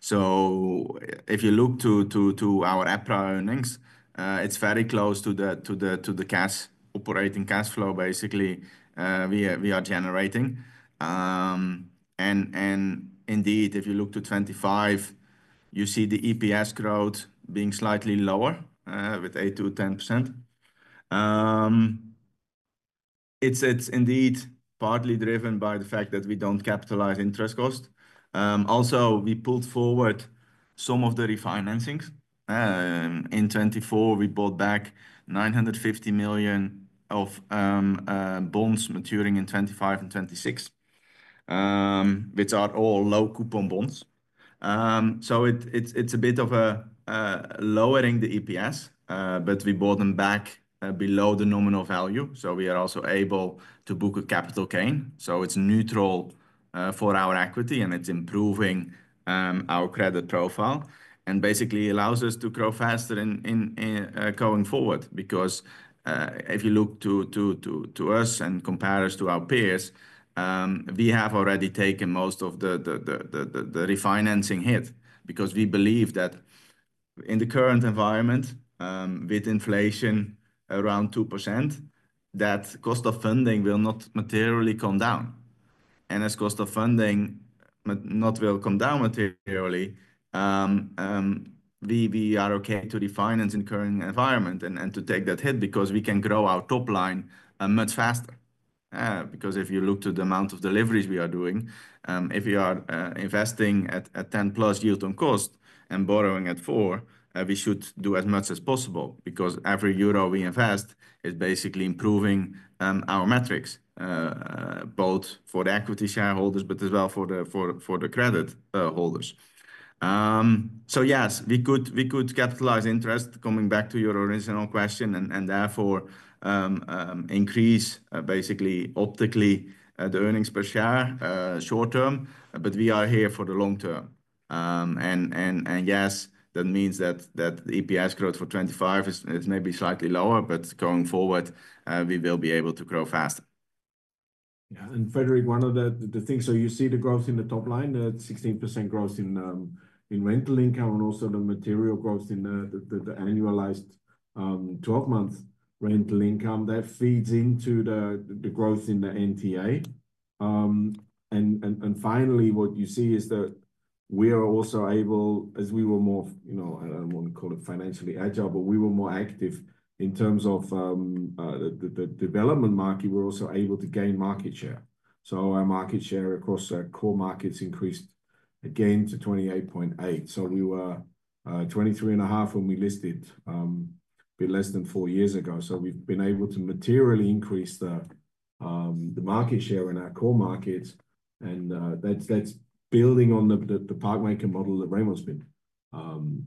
So if you look to our earnings, it's very close to the cash operating cash flow basically we are generating. And indeed, if you look to 2025, you see the EPS growth being slightly lower, with 8%-10%. It's indeed partly driven by the fact that we don't capitalize interest cost. Also we pulled forward some of the refinancings. In 2024 we bought back 950 million of bonds maturing in 2025 and 2026, which are all low coupon bonds. So it is a bit of a lowering the EPS, but we bought them back below the nominal value. So we are also able to book a capital gain. So it's neutral for our equity and it's improving our credit profile and basically allows us to grow faster going forward because if you look to us and compare us to our peers, we have already taken most of the refinancing hit because we believe that in the current environment, with inflation around 2%, that cost of funding will not materially come down. As cost of funding not will come down materially, we are okay to refinance in current environment and to take that hit because we can grow our top line much faster. Because if you look to the amount of deliveries we are doing, if we are investing at 10 plus unit on cost and borrowing at four, we should do as much as possible because every euro we invest is basically improving our metrics, both for the equity shareholders, but as well for the credit holders. So yes, we could capitalize interest coming back to your original question and therefore increase basically optically the earnings per share short term, but we are here for the long term. Yes, that means that the EPS growth for 2025 is maybe slightly lower, but going forward, we will be able to grow faster. Yeah. Frédéric, one of the things, so you see the growth in the top line, the 16% growth in rental income and also the material growth in the annualized 12-month rental income that feeds into the growth in the NTA. Finally what you see is that we are also able, as we were more, you know, I don't wanna call it financially agile, but we were more active in terms of the development market, we're also able to gain market share. So our market share across our core markets increased again to 28.8%. We were 23.5 when we listed, a bit less than four years ago. We've been able to materially increase the market share in our core markets. And that's building on the Parkmaker model that Remon's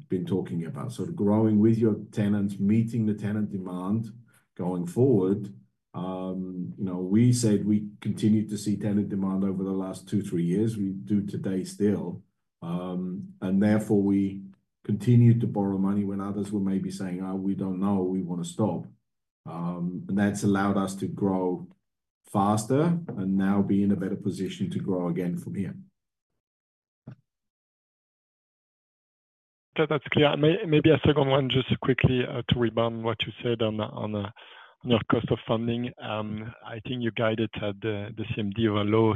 been talking about. So growing with your tenants, meeting the tenant demand going forward. You know, we said we continued to see tenant demand over the last two, three years. We do today still. And therefore we continued to borrow money when others were maybe saying, oh, we don't know, we wanna stop. And that's allowed us to grow faster and now be in a better position to grow again from here. That's clear. Maybe a second one just quickly to rebound what you said on the on your cost of funding. I think you guided at the CMD of a low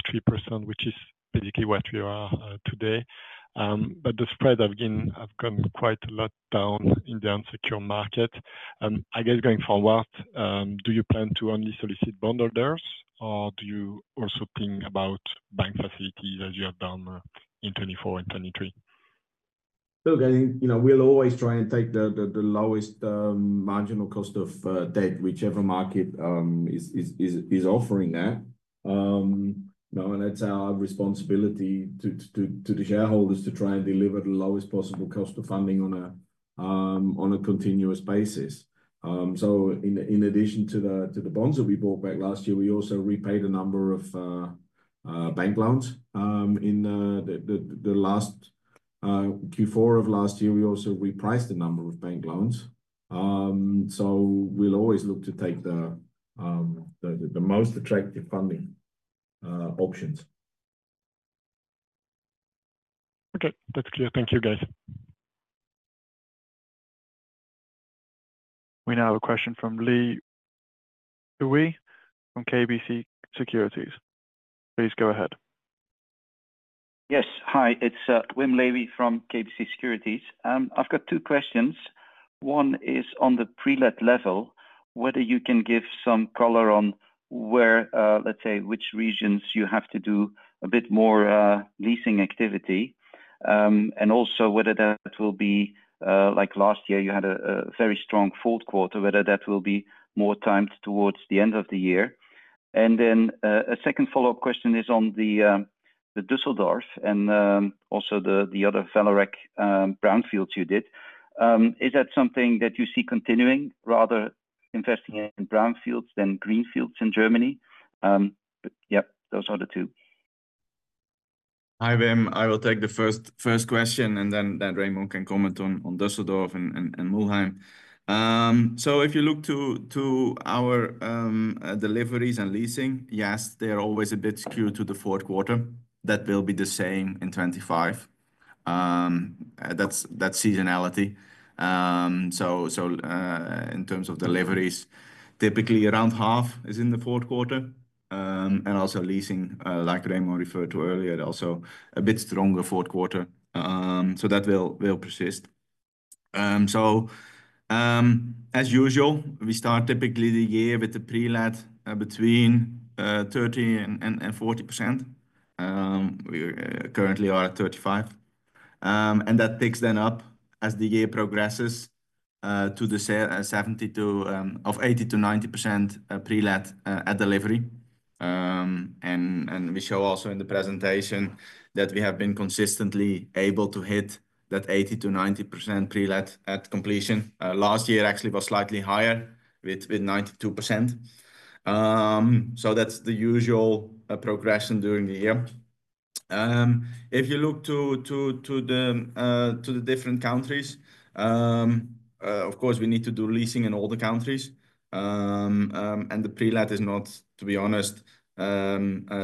3%, which is basically what we are today. But the spreads have been, have gone quite a lot down in the unsecured market. I guess going forward, do you plan to only solicit bondholders or do you also think about bank facilities as you have done in 2024 and 2023? Look, I think, you know, we'll always try and take the lowest marginal cost of debt, whichever market is offering that. You know, and that's our responsibility to the shareholders to try and deliver the lowest possible cost of funding on a continuous basis. In addition to the bonds that we bought back last year, we also repaid a number of bank loans in the last Q4 of last year, we also repriced a number of bank loans. We'll always look to take the most attractive funding options. Okay. That's clear. Thank you guys. We now have a question from Wim Lewi from KBC Securities. Please go ahead. Yes. Hi, it's Wim Lewi from KBC Securities. I've got two questions. One is on the pre-let level, whether you can give some color on where, let's say which regions you have to do a bit more leasing activity. And also whether that will be, like last year you had a very strong fourth quarter, whether that will be more timed towards the end of the year. And then, a second follow-up question is on the Düsseldorf and also the other Vallourec brownfields you did. Is that something that you see continuing, rather investing in brownfields than greenfields in Germany, but yep, those are the two. Hi, Wim, I will take the first question and then Remon can comment on Düsseldorf and Mülheim. So if you look to our deliveries and leasing, yes, they're always a bit skewed to the fourth quarter. That will be the same in 2025. That's seasonality. So in terms of deliveries, typically around half is in the fourth quarter. And also leasing, like Remon referred to earlier, also a bit stronger fourth quarter. So that will persist. So as usual, we start typically the year with the pre-let between 30% and 40%. We currently are at 35%. And that picks then up as the year progresses to the 70% of 80%-90% pre-let at delivery. And we show also in the presentation that we have been consistently able to hit that 80%-90% pre-let at completion. Last year actually was slightly higher with 92%. So that's the usual progression during the year. If you look to the different countries, of course we need to do leasing in all the countries, and the pre-let is not, to be honest,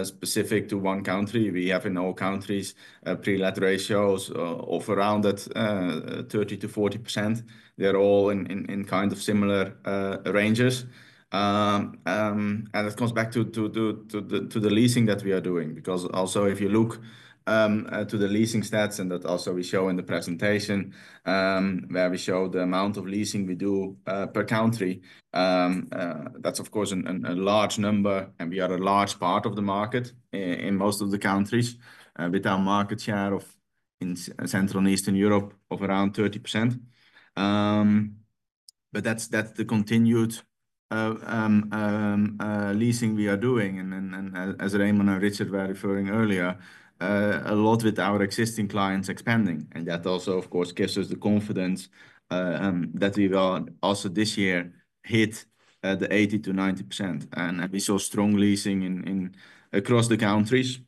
specific to one country. We have in all countries pre-let ratios of around that 30%-40%. They're all in kind of similar ranges, and that comes back to the leasing that we are doing because also if you look to the leasing stats and that also we show in the presentation, where we show the amount of leasing we do per country. That's of course a large number and we are a large part of the market in most of the countries, with our market share in Central and Eastern Europe of around 30%. But that's the continued leasing we are doing. As Remon and Richard were referring earlier, a lot with our existing clients expanding. That also, of course, gives us the confidence that we will also this year hit the 80%-90%. We saw strong leasing across the countries.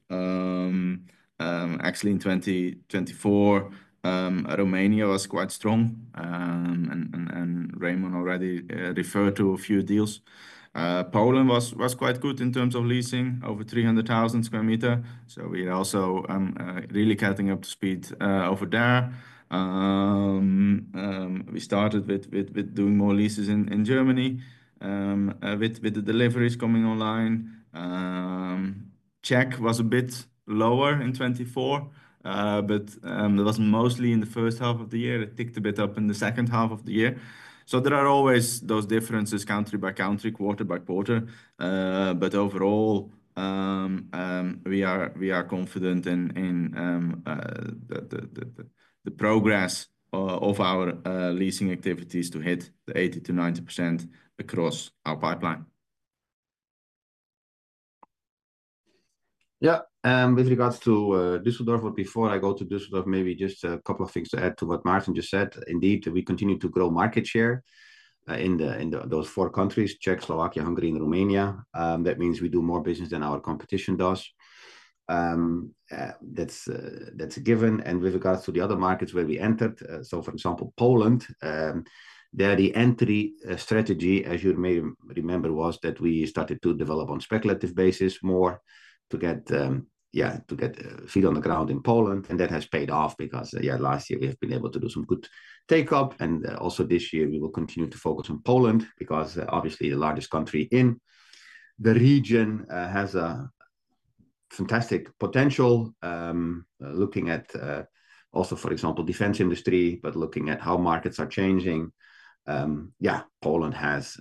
Actually in 2024, Romania was quite strong, and Remon already referred to a few deals. Poland was quite good in terms of leasing over 300,000 sq m. So we also really getting up to speed over there. We started with doing more leases in Germany with the deliveries coming online. Czech was a bit lower in 2024, but it was mostly in the first half of the year. It ticked a bit up in the second half of the year. So there are always those differences country by country, quarter by quarter. But overall, we are confident in the progress of our leasing activities to hit the 80%-90% across our pipeline. Yeah. With regards to Düsseldorf, but before I go to Düsseldorf, maybe just a couple of things to add to what Martin just said. Indeed, we continue to grow market share in those four countries, Czech, Slovakia, Hungary, and Romania. That means we do more business than our competition does. That's a given. And with regards to the other markets where we entered, so for example, Poland, there the entry strategy, as you may remember, was that we started to develop on a speculative basis more to get feet on the ground in Poland. And that has paid off because last year we have been able to do some good take up. Also this year we will continue to focus on Poland because obviously the largest country in the region has a fantastic potential. Looking at also for example defense industry, but looking at how markets are changing. Yeah, Poland has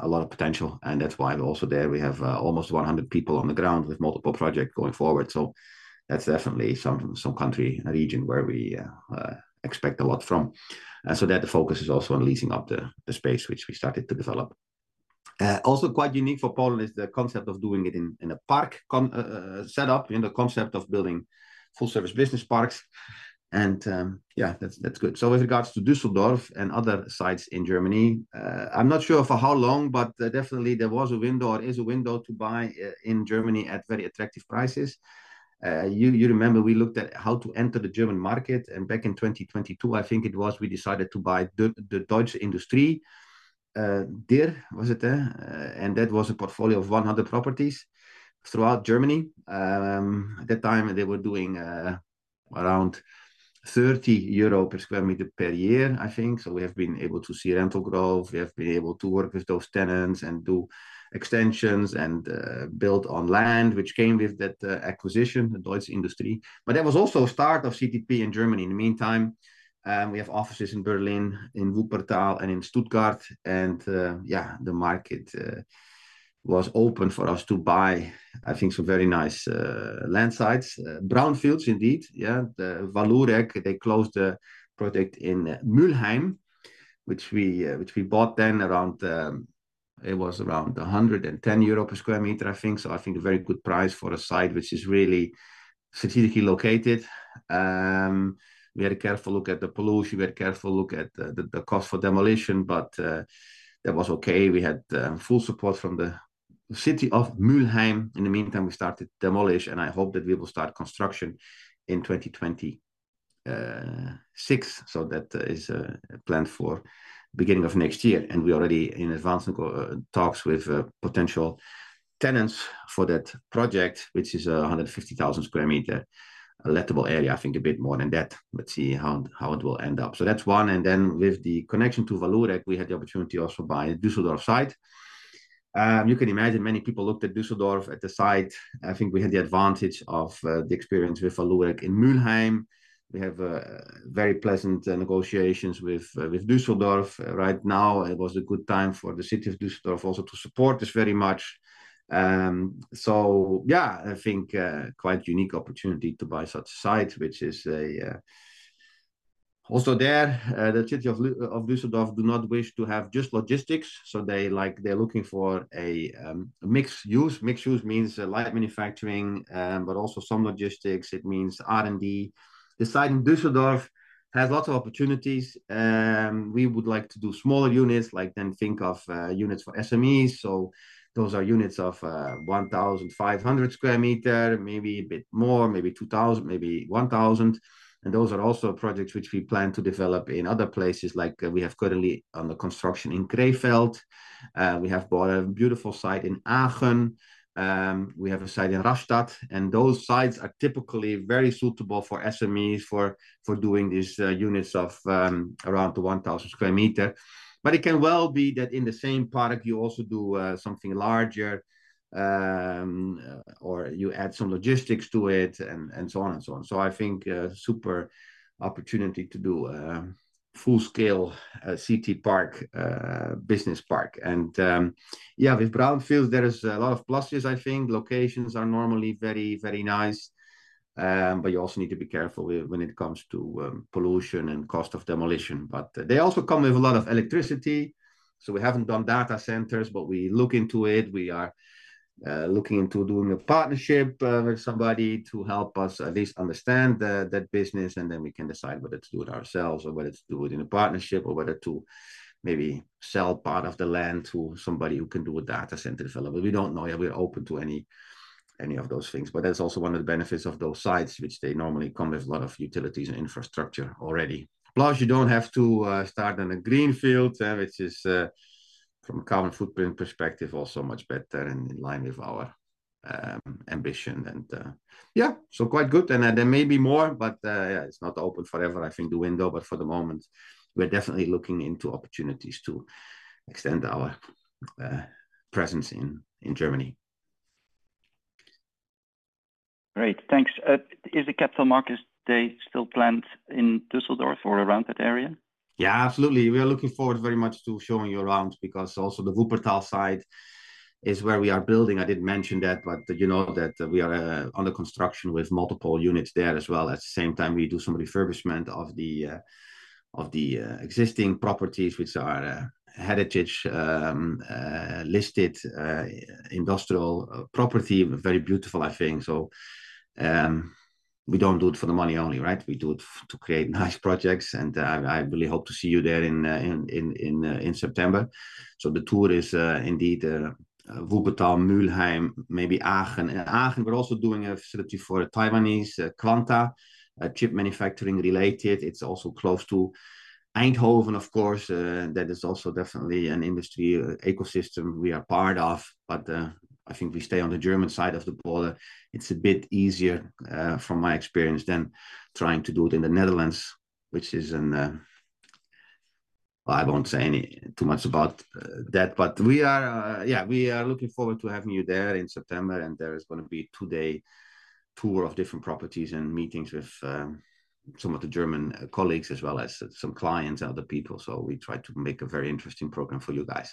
a lot of potential. That's why we're also there. We have almost 100 people on the ground with multiple projects going forward. That's definitely some country region where we expect a lot from. The focus is also on leasing up the space which we started to develop. Also quite unique for Poland is the concept of doing it in a park concept setup, you know, the concept of building full-service business parks. Yeah, that's good. So, with regards to Düsseldorf and other sites in Germany, I'm not sure for how long, but definitely there was a window or is a window to buy in Germany at very attractive prices. You remember we looked at how to enter the German market and back in 2022, I think it was, we decided to buy the Deutsche Industrie, DIR, was it there? And that was a portfolio of 100 properties throughout Germany. At that time they were doing around 30 euro per square meter per year, I think. So we have been able to see rental growth. We have been able to work with those tenants and do extensions and build on land, which came with that acquisition, the Deutsche Industrie. But that was also a start of CTP in Germany. In the meantime, we have offices in Berlin, in Wuppertal and in Stuttgart. Yeah, the market was open for us to buy, I think, some very nice land sites, brownfields indeed. Yeah. The Vallourec, they closed the project in Mülheim, which we bought then around, it was around 110 euro per square meter, I think. So I think a very good price for a site, which is really strategically located. We had a careful look at the pollution. We had a careful look at the cost for demolition, but that was okay. We had full support from the city of Mülheim. In the meantime, we started demolish and I hope that we will start construction in 2026. So that is planned for the beginning of next year. And we already in advance talks with potential tenants for that project, which is a 150,000 sq m meter lettable area. I think a bit more than that, but see how, how it will end up. So that's one, and then with the connection to Vallourec, we had the opportunity also to buy a Düsseldorf site. You can imagine many people looked at Düsseldorf at the site. I think we had the advantage of, the experience with Vallourec in Mülheim. We have a very pleasant negotiations with, with Düsseldorf right now. It was a good time for the city of Düsseldorf also to support us very much. So yeah, I think, quite a unique opportunity to buy such a site, which is a, also there, the city of, of Düsseldorf do not wish to have just logistics. So they like, they're looking for a, a mixed use. Mixed use means light manufacturing, but also some logistics. It means R&D. The site in Düsseldorf has lots of opportunities. We would like to do smaller units, like then think of units for SMEs. So those are units of 1,500 sq m, maybe a bit more, maybe 2,000, maybe 1,000. And those are also projects which we plan to develop in other places. Like we have currently under construction in Krefeld. We have bought a beautiful site in Aachen. We have a site in Rastatt. And those sites are typically very suitable for SMEs for doing these units of around the 1,000 sq m. But it can well be that in the same product you also do something larger, or you add some logistics to it and so on and so on. So I think super opportunity to do full scale CTPark business park. And yeah, with brownfields there is a lot of pluses. I think locations are normally very, very nice. But you also need to be careful with when it comes to pollution and cost of demolition. But they also come with a lot of electricity. So we haven't done data centers, but we look into it. We are looking into doing a partnership with somebody to help us at least understand that business. And then we can decide whether to do it ourselves or whether to do it in a partnership or whether to maybe sell part of the land to somebody who can do a data center development. We don't know yet. We're open to any of those things. But that's also one of the benefits of those sites, which they normally come with a lot of utilities and infrastructure already. Plus you don't have to start on a greenfield, which is from a carbon footprint perspective also much better and in line with our ambition. Yeah, so quite good. There may be more, but yeah, it's not open forever. I think the window, but for the moment we're definitely looking into opportunities to extend our presence in Germany. Great. Thanks. Is the capital markets day still planned in Düsseldorf or around that area? Yeah, absolutely. We are looking forward very much to showing you around because also the Wuppertal site is where we are building. I didn't mention that, but you know that we are under construction with multiple units there as well. At the same time, we do some refurbishment of the existing properties, which are heritage-listed industrial property, very beautiful, I think. So, we don't do it for the money only, right? We do it to create nice projects. I really hope to see you there in September. So the tour is, indeed, Wuppertal, Mülheim, maybe Aachen. And Aachen, we're also doing a facility for Taiwanese Quanta chip manufacturing related. It's also close to Eindhoven, of course. That is also definitely an industry ecosystem we are part of. But, I think we stay on the German side of the border. It's a bit easier, from my experience, than trying to do it in the Netherlands, which is an, well, I won't say any too much about that, but we are, yeah, we are looking forward to having you there in September. And there is going to be a two-day tour of different properties and meetings with some of the German colleagues as well as some clients and other people. So we try to make a very interesting program for you guys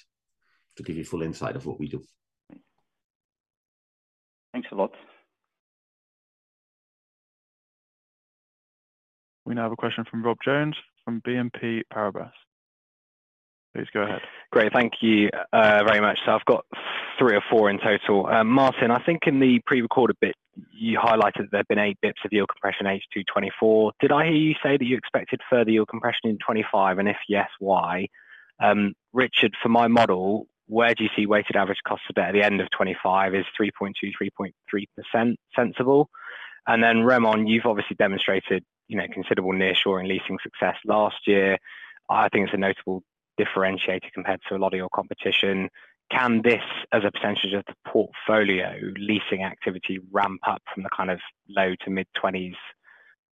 to give you full insight of what we do. Thanks a lot. We now have a question from Rob Jones from BNP Paribas. Please go ahead. Great. Thank you, very much. So I've got three or four in total. Martin, I think in the pre-recorded bit, you highlighted that there have been eight bits of yield compression in 2024. Did I hear you say that you expected further yield compression in 2025? And if yes, why? Richard, for my model, where do you see weighted average cost of debt at the end of 2025 is 3.2%-3.3% sensible? And then Remon, you've obviously demonstrated, you know, considerable nearshoring leasing success last year. I think it's a notable differentiator compared to a lot of your competition. Can this as a potential portfolio leasing activity ramp up from the kind of low-to-mid 20s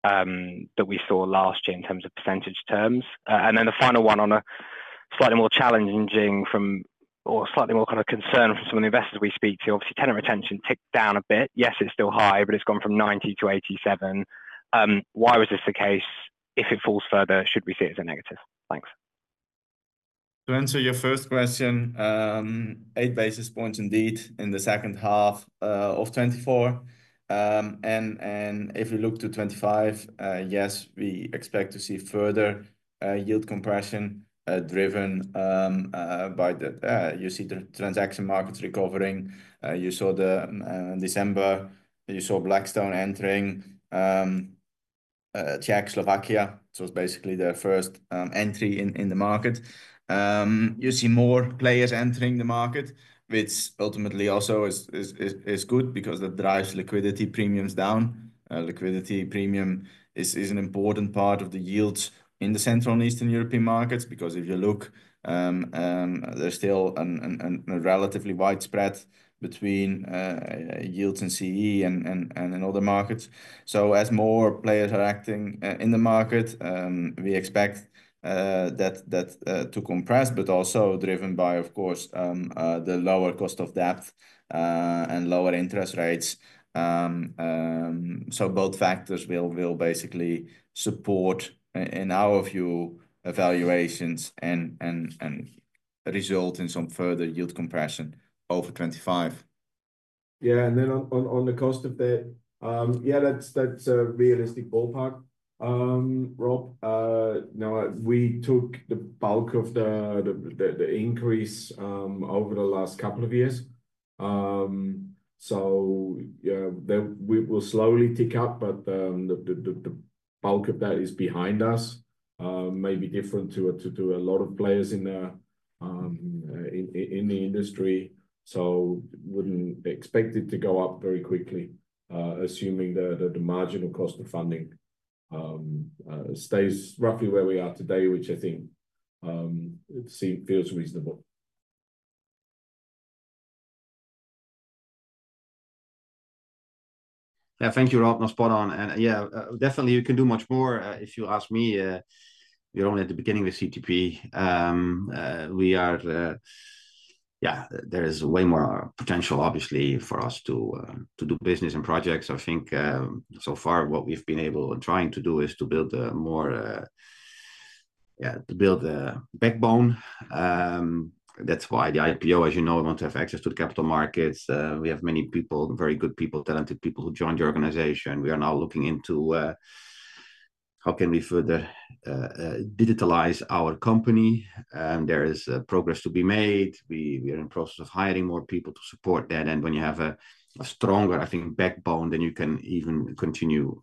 that we saw last year in terms of percentage terms? And then the final one on a slightly more challenging front, or slightly more kind of concern from some of the investors we speak to, obviously tenant retention ticked down a bit. Yes, it's still high, but it's gone from 90%-87%. Why was this the case? If it falls further, should we see it as a negative? Thanks. To answer your first question, eight basis points indeed in the second half of 2024. And if we look to 2025, yes, we expect to see further yield compression, driven by the, you see the transaction markets recovering. You saw the December, you saw Blackstone entering Czech, Slovakia. So it was basically the first entry in the market. You see more players entering the market, which ultimately also is good because that drives liquidity premiums down. Liquidity premium is an important part of the yields in the Central and Eastern European markets because if you look, there's still a relatively widespread between yields and CEE and in other markets. So as more players are acting in the market, we expect that to compress, but also driven by, of course, the lower cost of debt, and lower interest rates. Both factors will basically support in our view valuations and result in some further yield compression over 2025. Yeah. And then on the cost of that, yeah, that's a realistic ballpark, Rob. Now we took the bulk of the increase over the last couple of years. Yeah, that we will slowly tick up, but the bulk of that is behind us, maybe different to a lot of players in the industry. So wouldn't expect it to go up very quickly, assuming that the marginal cost of funding stays roughly where we are today, which I think it seems feels reasonable. Yeah. Thank you, Rob. Not spot on. Yeah, definitely you can do much more. If you ask me, we're only at the beginning with CTP. We are. There is way more potential obviously for us to do business and projects. I think so far what we've been able and trying to do is to build a more backbone. That's why the IPO, as you know, we want to have access to the capital markets. We have many people, very good people, talented people who joined the organization. We are now looking into how can we further digitalize our company. There is progress to be made. We are in the process of hiring more people to support that. And when you have a stronger, I think, backbone, then you can even continue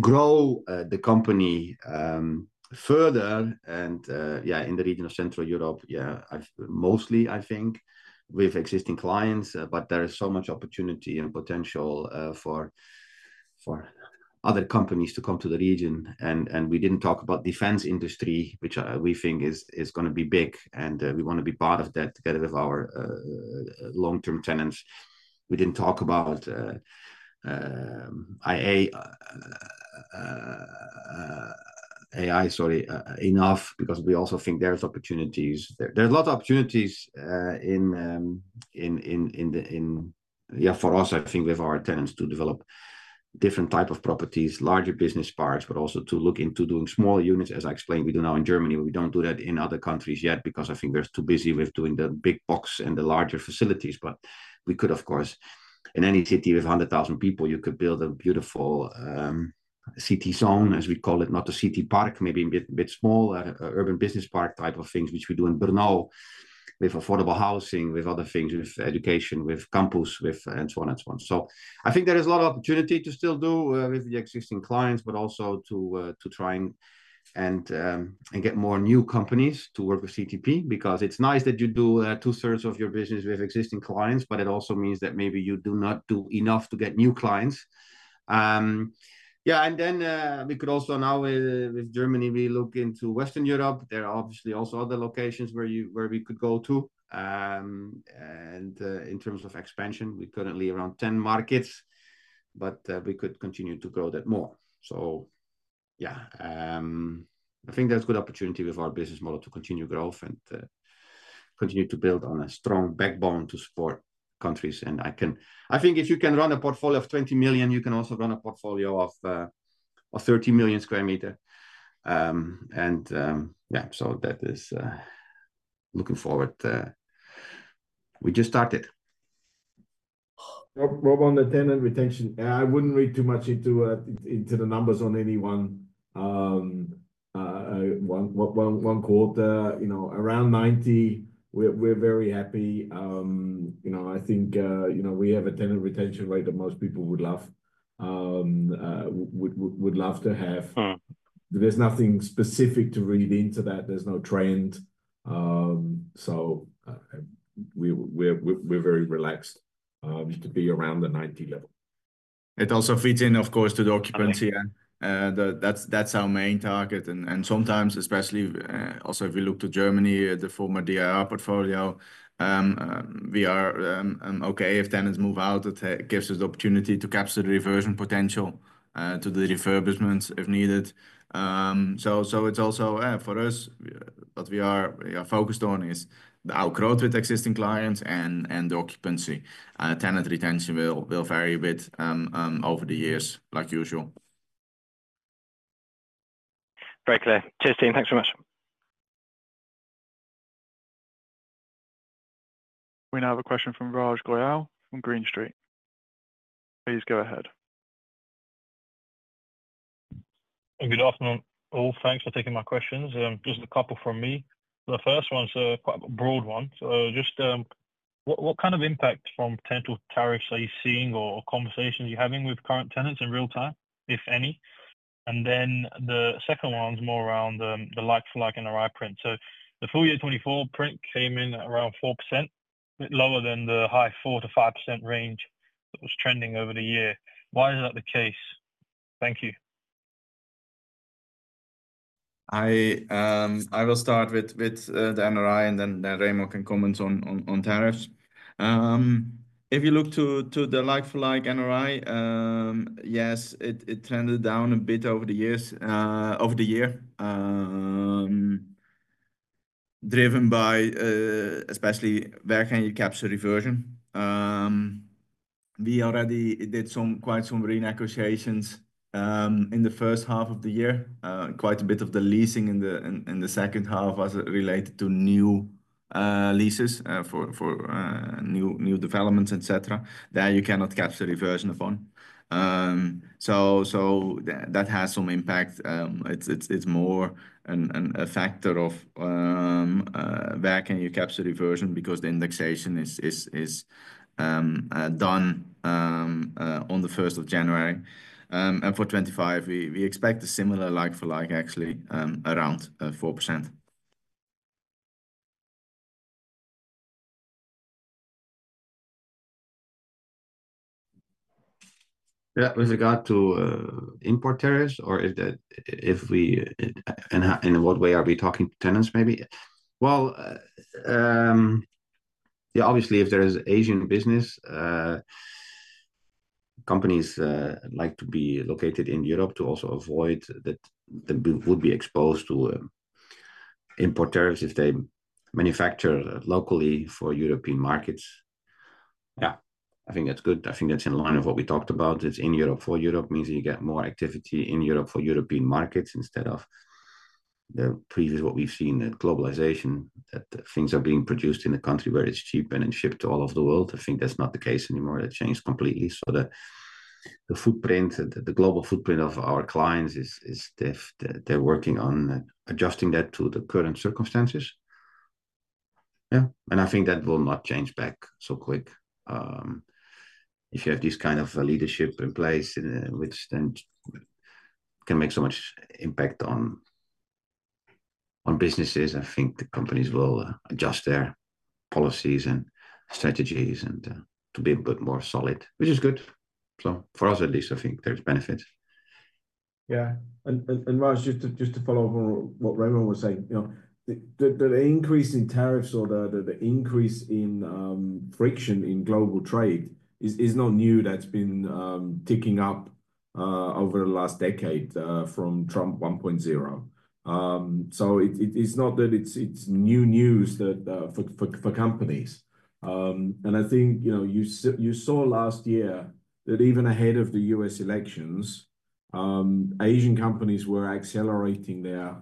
grow the company further. And yeah, in the region of Central Europe, yeah, I've mostly, I think, with existing clients, but there is so much opportunity and potential for other companies to come to the region. And we didn't talk about defense industry, which we think is going to be big. And we want to be part of that together with our long-term tenants. We didn't talk about AI enough because we also think there's opportunities there. There's a lot of opportunities in the, yeah, for us, I think with our tenants to develop different types of properties, larger business parks, but also to look into doing small units. As I explained, we do now in Germany, we don't do that in other countries yet because I think they're too busy with doing the big box and the larger facilities. But we could, of course, in any city with 100,000 people, you could build a beautiful city zone, as we call it, not a city park, maybe a bit small, urban business park type of things, which we do in Brno with affordable housing, with other things, with education, with campus, and so on and so on. So I think there is a lot of opportunity to still do with the existing clients, but also to try and get more new companies to work with CTP because it's nice that you do two-thirds of your business with existing clients, but it also means that maybe you do not do enough to get new clients. Yeah. And then we could also now with Germany, we look into Western Europe. There are obviously also other locations where we could go to. And in terms of expansion, we currently have around 10 markets, but we could continue to grow that more. So yeah, I think there's a good opportunity with our business model to continue growth and continue to build on a strong backbone to support countries. I can, I think if you can run a portfolio of 20 million, you can also run a portfolio of 30 million sq m. Yeah, so that is, looking forward, we just started. Rob on the tenant retention. Yeah, I wouldn't read too much into the numbers on a one quote, you know, around 90%. We're very happy. You know, I think, you know, we have a tenant retention rate that most people would love to have. There's nothing specific to read into that. There's no trend. So, we're very relaxed to be around the 90% level. It also fits in, of course, to the occupancy. That's our main target. Sometimes, especially also if we look to Germany, the former DIR portfolio, we are okay. If tenants move out, it gives us the opportunity to capture the reversion potential, to the refurbishments if needed. So, so it's also, for us, what we are, we are focused on is the outgrowth with existing clients and, and the occupancy. Tenant retention will, will vary a bit, over the years, like usual. Very clear. Cheers, team. Thanks very much. We now have a question from Raj Goyal from Green Street. Please go ahead. Good afternoon all. Thanks for taking my questions. Just a couple from me. The first one's a quite broad one. So just, what, what kind of impact from potential tariffs are you seeing or conversations you're having with current tenants in real time, if any? And then the second one's more around, the like-for-like in the right print. The full year 2024 print came in around 4%, a bit lower than the high 4%-5% range that was trending over the year. Why is that the case? Thank you. I will start with the NRI and then Remon can comment on tariffs. If you look to the like-for-like NRI, yes, it trended down a bit over the year, driven by, especially where can you capture reversion. We already did quite some renegotiations in the first half of the year. Quite a bit of the leasing in the second half was related to new leases for new developments, et cetera. There you cannot capture reversion upon, so that has some impact. It's more a factor of where can you capture reversion because the indexation is done on the 1st of January. And for 2025, we expect a similar like-for-like, actually, around 4%. Yeah. With regard to import tariffs or if that, and in what way are we talking to tenants maybe? Well, yeah, obviously if there is Asian business companies like to be located in Europe to also avoid that they would be exposed to import tariffs if they manufacture locally for European markets. Yeah, I think that's good. I think that's in line with what we talked about. It's in Europe for Europe means that you get more activity in Europe for European markets instead of the previous, what we've seen that globalization, that things are being produced in a country where it's cheap and then shipped to all of the world. I think that's not the case anymore. That changed completely. So the footprint, the global footprint of our clients is they've, they're working on adjusting that to the current circumstances. Yeah. And I think that will not change back so quick. If you have these kind of leadership in place which then can make so much impact on businesses, I think the companies will adjust their policies and strategies and to be a bit more solid, which is good. So for us at least, I think there's benefits. Yeah. Raj, just to follow up on what Remon was saying, you know, the increase in tariffs or the increase in friction in global trade is not new. That's been ticking up over the last decade, from Trump 1.0. So it's not that it's new news for companies. I think, you know, you saw last year that even ahead of the U.S. elections, Asian companies were accelerating their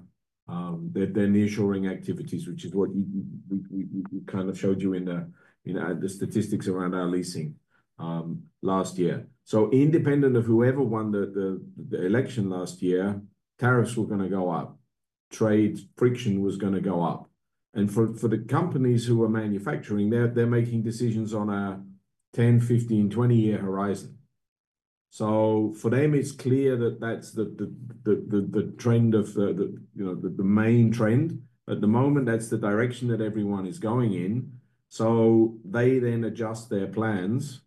nearshoring activities, which is what we kind of showed you in the statistics around our leasing last year. Independent of whoever won the election last year, tariffs were going to go up, trade friction was going to go up. And for the companies who are manufacturing, they're making decisions on a 10, 15, 20-year horizon. So for them, it's clear that that's the trend, you know, the main trend at the moment. That's the direction that everyone is going in. So they then adjust their plans,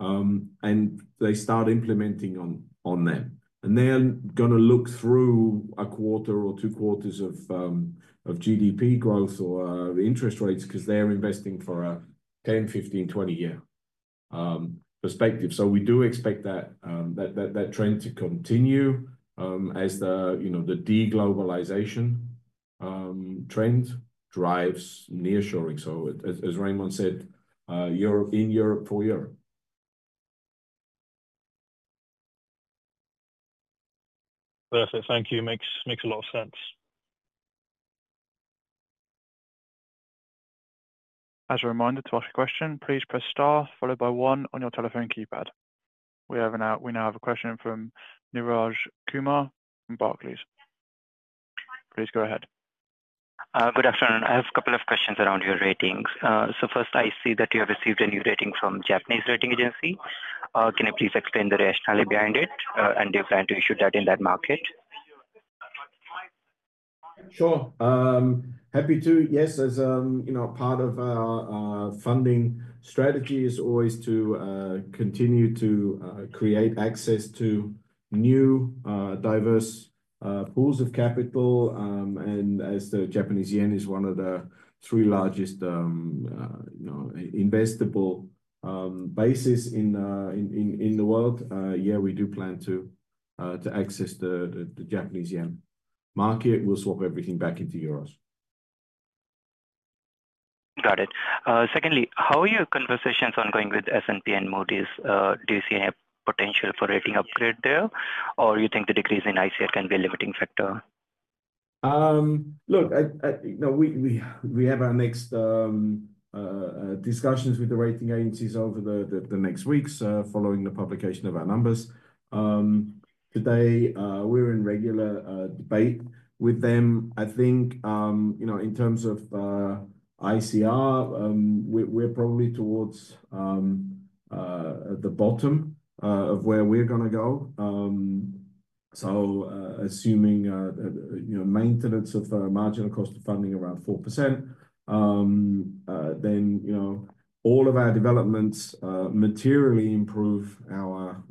and they start implementing on them. And they're going to look through a quarter or two quarters of GDP growth or interest rates because they're investing for a 10, 15, 20-year perspective. So we do expect that trend to continue, as you know, the deglobalization trend drives nearshoring. So as Remon said, Europe in Europe for Europe. Perfect. Thank you. Makes a lot of sense. As a reminder to ask a question, please press star followed by one on your telephone keypad. We now have a question from Neeraj Kumar from Barclays. Please go ahead. Good afternoon. I have a couple of questions around your ratings. So first I see that you have received a new rating from Japanese rating agency. Can you please explain the rationale behind it, and do you plan to issue that in that market? Sure. Happy to. Yes. As you know, part of our funding strategy is always to continue to create access to new, diverse, pools of capital. And as the Japanese yen is one of the three largest, you know, investable bases in the world, yeah, we do plan to access the Japanese yen market. We'll swap everything back into euros. Got it. Secondly, how are your conversations ongoing with S&P and Moody's? Do you see any potential for rating upgrade there or you think the decrease in ICR can be a limiting factor? Look, I, you know, we have our next discussions with the rating agencies over the next weeks, following the publication of our numbers. Today, we're in regular debate with them. I think, you know, in terms of ICR, we're probably towards the bottom of where we are going to go. So, assuming, you know, maintenance of marginal cost of funding around 4%, then, you know, all of our developments materially improve our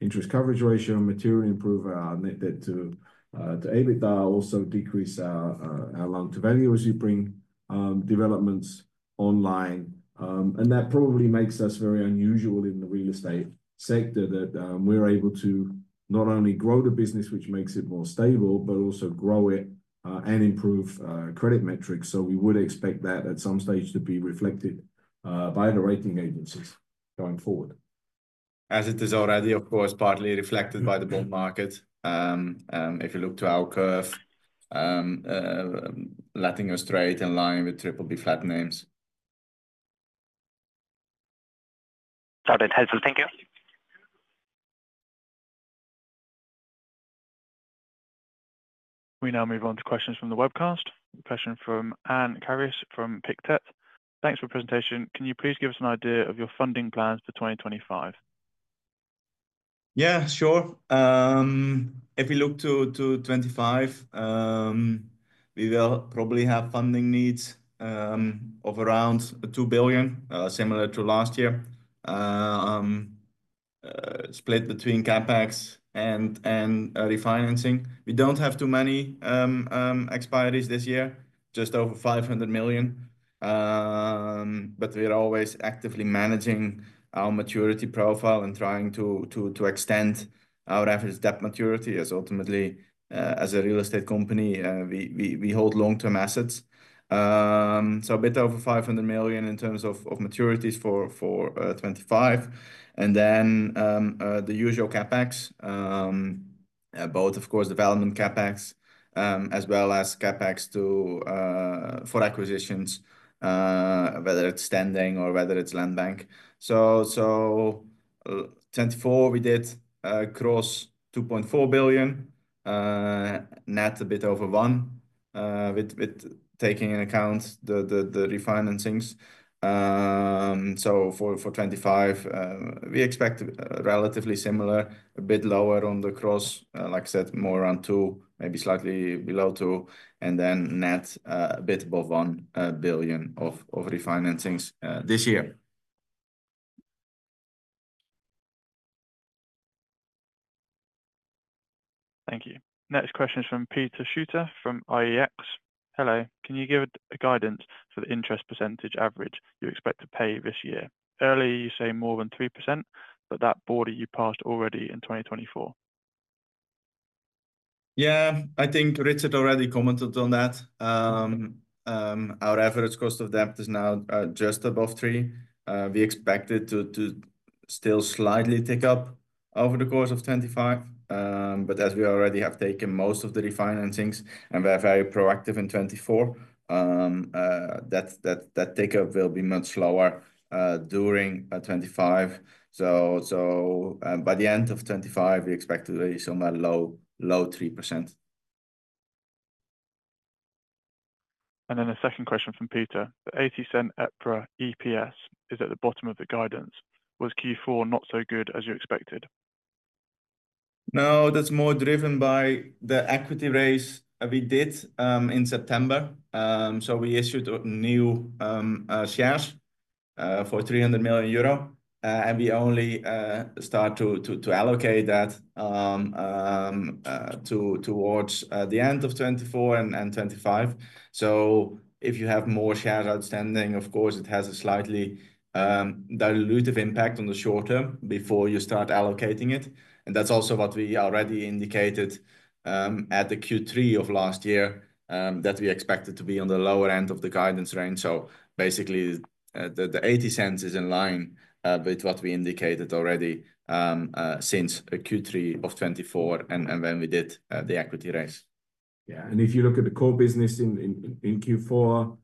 interest coverage ratio, materially improve our net debt to EBITDA, also decrease our LTV as you bring developments online. And that probably makes us very unusual in the real estate sector that we're able to not only grow the business, which makes it more stable, but also grow it and improve credit metrics. So we would expect that at some stage to be reflected by the rating agencies going forward. As it is already, of course, partly reflected by the bond market. If you look to our curve, last in Australia is in line with triple B flat names. Got it. Helpful. Thank you. We now move on to questions from the webcast. Question from Anne Caris from Pictet. Thanks for the presentation. Can you please give us an idea of your funding plans for 2025? Yeah, sure. If we look to 2025, we will probably have funding needs of around 2 billion, similar to last year, split between CapEx and refinancing. We don't have too many expiries this year, just over 500 million. But we are always actively managing our maturity profile and trying to extend our average debt maturity as ultimately, as a real estate company, we hold long-term assets. So a bit over 500 million in terms of maturities for 2025. And then, the usual CapEx, both of course, development CapEx, as well as CapEx for acquisitions, whether it's standing or whether it's land bank. So, 2024 we did gross 2.4 billion, net a bit over one, with taking into account the refinancings. So for 2025, we expect relatively similar, a bit lower on the gross, like I said, more around 2 billion, maybe slightly below 2 billion, and then net, a bit above one billion of refinancings this year. Thank you. Next question is from Peter Schutte from IEX. Hello. Can you give a guidance for the interest percentage average you expect to pay this year? Earlier you say more than 3%, but that border you passed already in 2024. Yeah, I think Richard already commented on that. Our average cost of debt is now just above three. We expect it to still slightly tick up over the course of 2025. But as we already have taken most of the refinancings and we're very proactive in 2024, that tick up will be much lower during 2025. So by the end of 2025, we expect to be somewhere low 3%. And then a second question from Peter. The 0.80 EPRA EPS is at the bottom of the guidance. Was Q4 not so good as you expected? No, that's more driven by the equity raise we did in September, so we issued new shares for 300 million euro, and we only start to allocate that towards the end of 2024 and 2025. So if you have more shares outstanding, of course, it has a slightly dilutive impact on the short term before you start allocating it. And that's also what we already indicated at the Q3 of last year, that we expected to be on the lower end of the guidance range. So basically, the 80 cents is in line with what we indicated already since Q3 of 2024 and when we did the equity raise. Yeah. And if you look at the core business in Q4,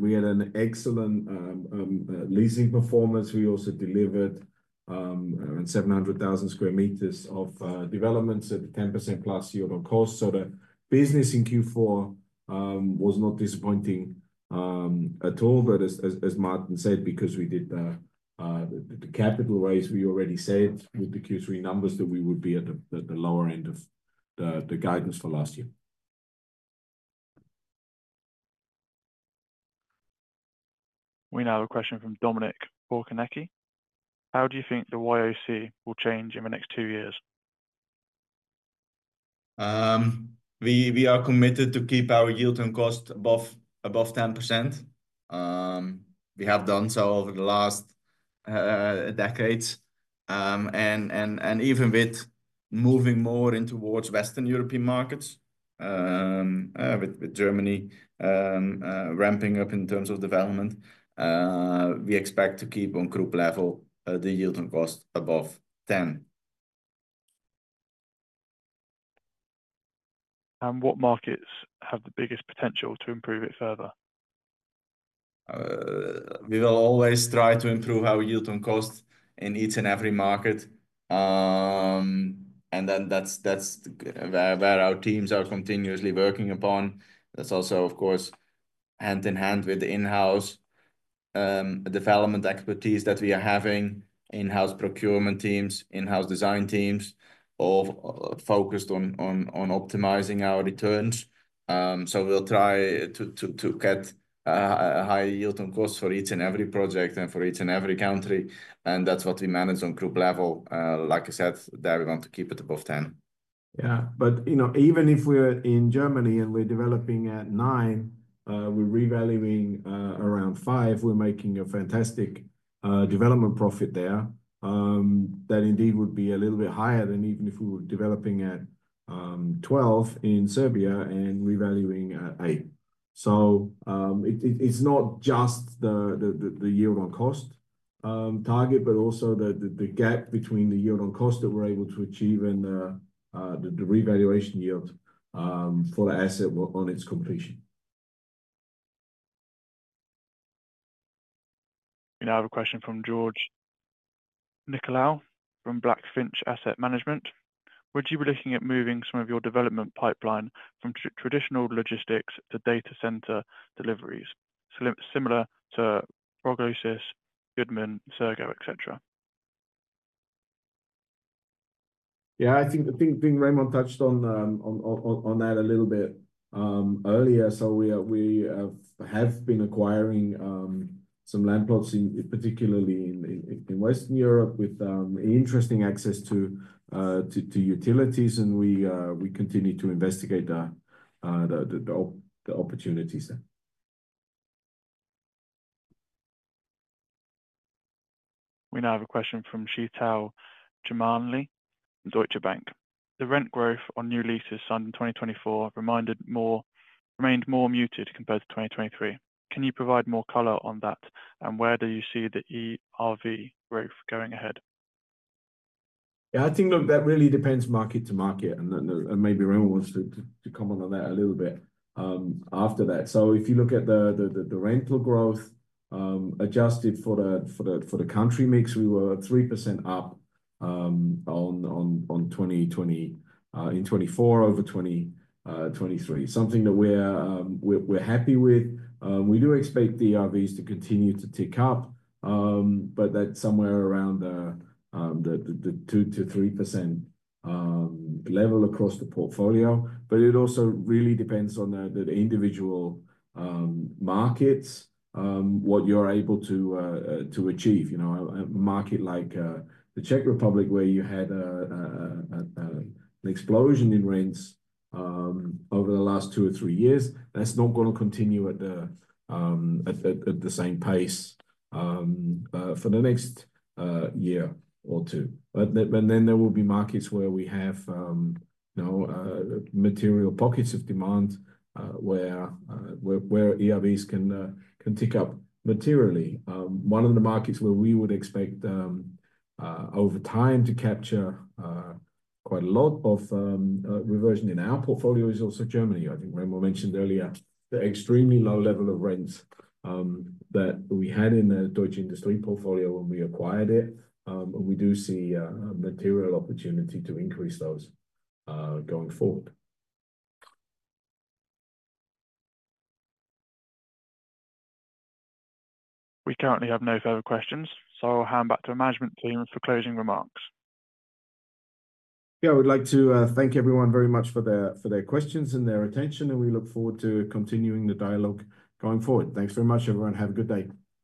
we had an excellent leasing performance. We also delivered around 700,000 sq m of developments at the 10% plus yield on cost. So the business in Q4 was not disappointing at all. But as Martin said, because we did the capital raise, we already said with the Q3 numbers that we would be at the lower end of the guidance for last year. We now have a question from Dominic Borkinecki. How do you think the YOC will change in the next two years? We are committed to keep our yield on cost above 10%. We have done so over the last decades. And even with moving more in towards Western European markets, with Germany ramping up in terms of development, we expect to keep on group level the yield on cost above 10. And what markets have the biggest potential to improve it further? We will always try to improve our yield on cost in each and every market, and then that's where our teams are continuously working upon. That's also, of course, hand in hand with the in-house development expertise that we are having, in-house procurement teams, in-house design teams all focused on optimizing our returns. We'll try to get a higher yield on cost for each and every project and for each and every country. And that's what we manage on group level. Like I said, there we want to keep it above 10. Yeah, but you know, even if we're in Germany and we're developing at nine, we're revaluing around five, we're making a fantastic development profit there. That indeed would be a little bit higher than even if we were developing at 12 in Serbia and revaluing at eight. So, it's not just the yield on cost target, but also the gap between the yield on cost that we're able to achieve and the revaluation yield for the asset on its completion. We now have a question from George Nikolaou from Blackfinch Asset Management. Would you be looking at moving some of your development pipeline from traditional logistics to data center deliveries? So similar to Prologis, Goodman, SEGRO, et cetera. Yeah, I think Remon touched on that a little bit earlier. So we have been acquiring some land plots particularly in Western Europe with interesting access to utilities. And we continue to investigate the opportunities there. We now have a question from Sheetal Jhamnani in Deutsche Bank. The rent growth on new leases signed in 2024 remained more muted compared to 2023. Can you provide more color on that and where do you see the ERV growth going ahead? Yeah, I think that really depends market to market and maybe Remon wants to comment on that a little bit after that. So if you look at the rental growth, adjusted for the country mix, we were 3% up on 2023 in 2024 over 2023, something that we are happy with. We do expect the ERVs to continue to tick up, but that's somewhere around the 2%-3% level across the portfolio. But it also really depends on the individual markets, what you're able to achieve. You know, a market like the Czech Republic where you had an explosion in rents over the last two or three years, that's not gonna continue at the same pace for the next year or two. But then there will be markets where we have, you know, material pockets of demand, where ERVs can tick up materially. One of the markets where we would expect, over time to capture quite a lot of reversion in our portfolio is also Germany. I think Remon mentioned earlier the extremely low level of rents that we had in the Deutsche Industrie portfolio when we acquired it. And we do see a material opportunity to increase those going forward. We currently have no further questions, so I'll hand back to the management team for closing remarks. Yeah, I would like to thank everyone very much for their questions and their attention, and we look forward to continuing the dialogue going forward. Thanks very much, everyone. Have a good day.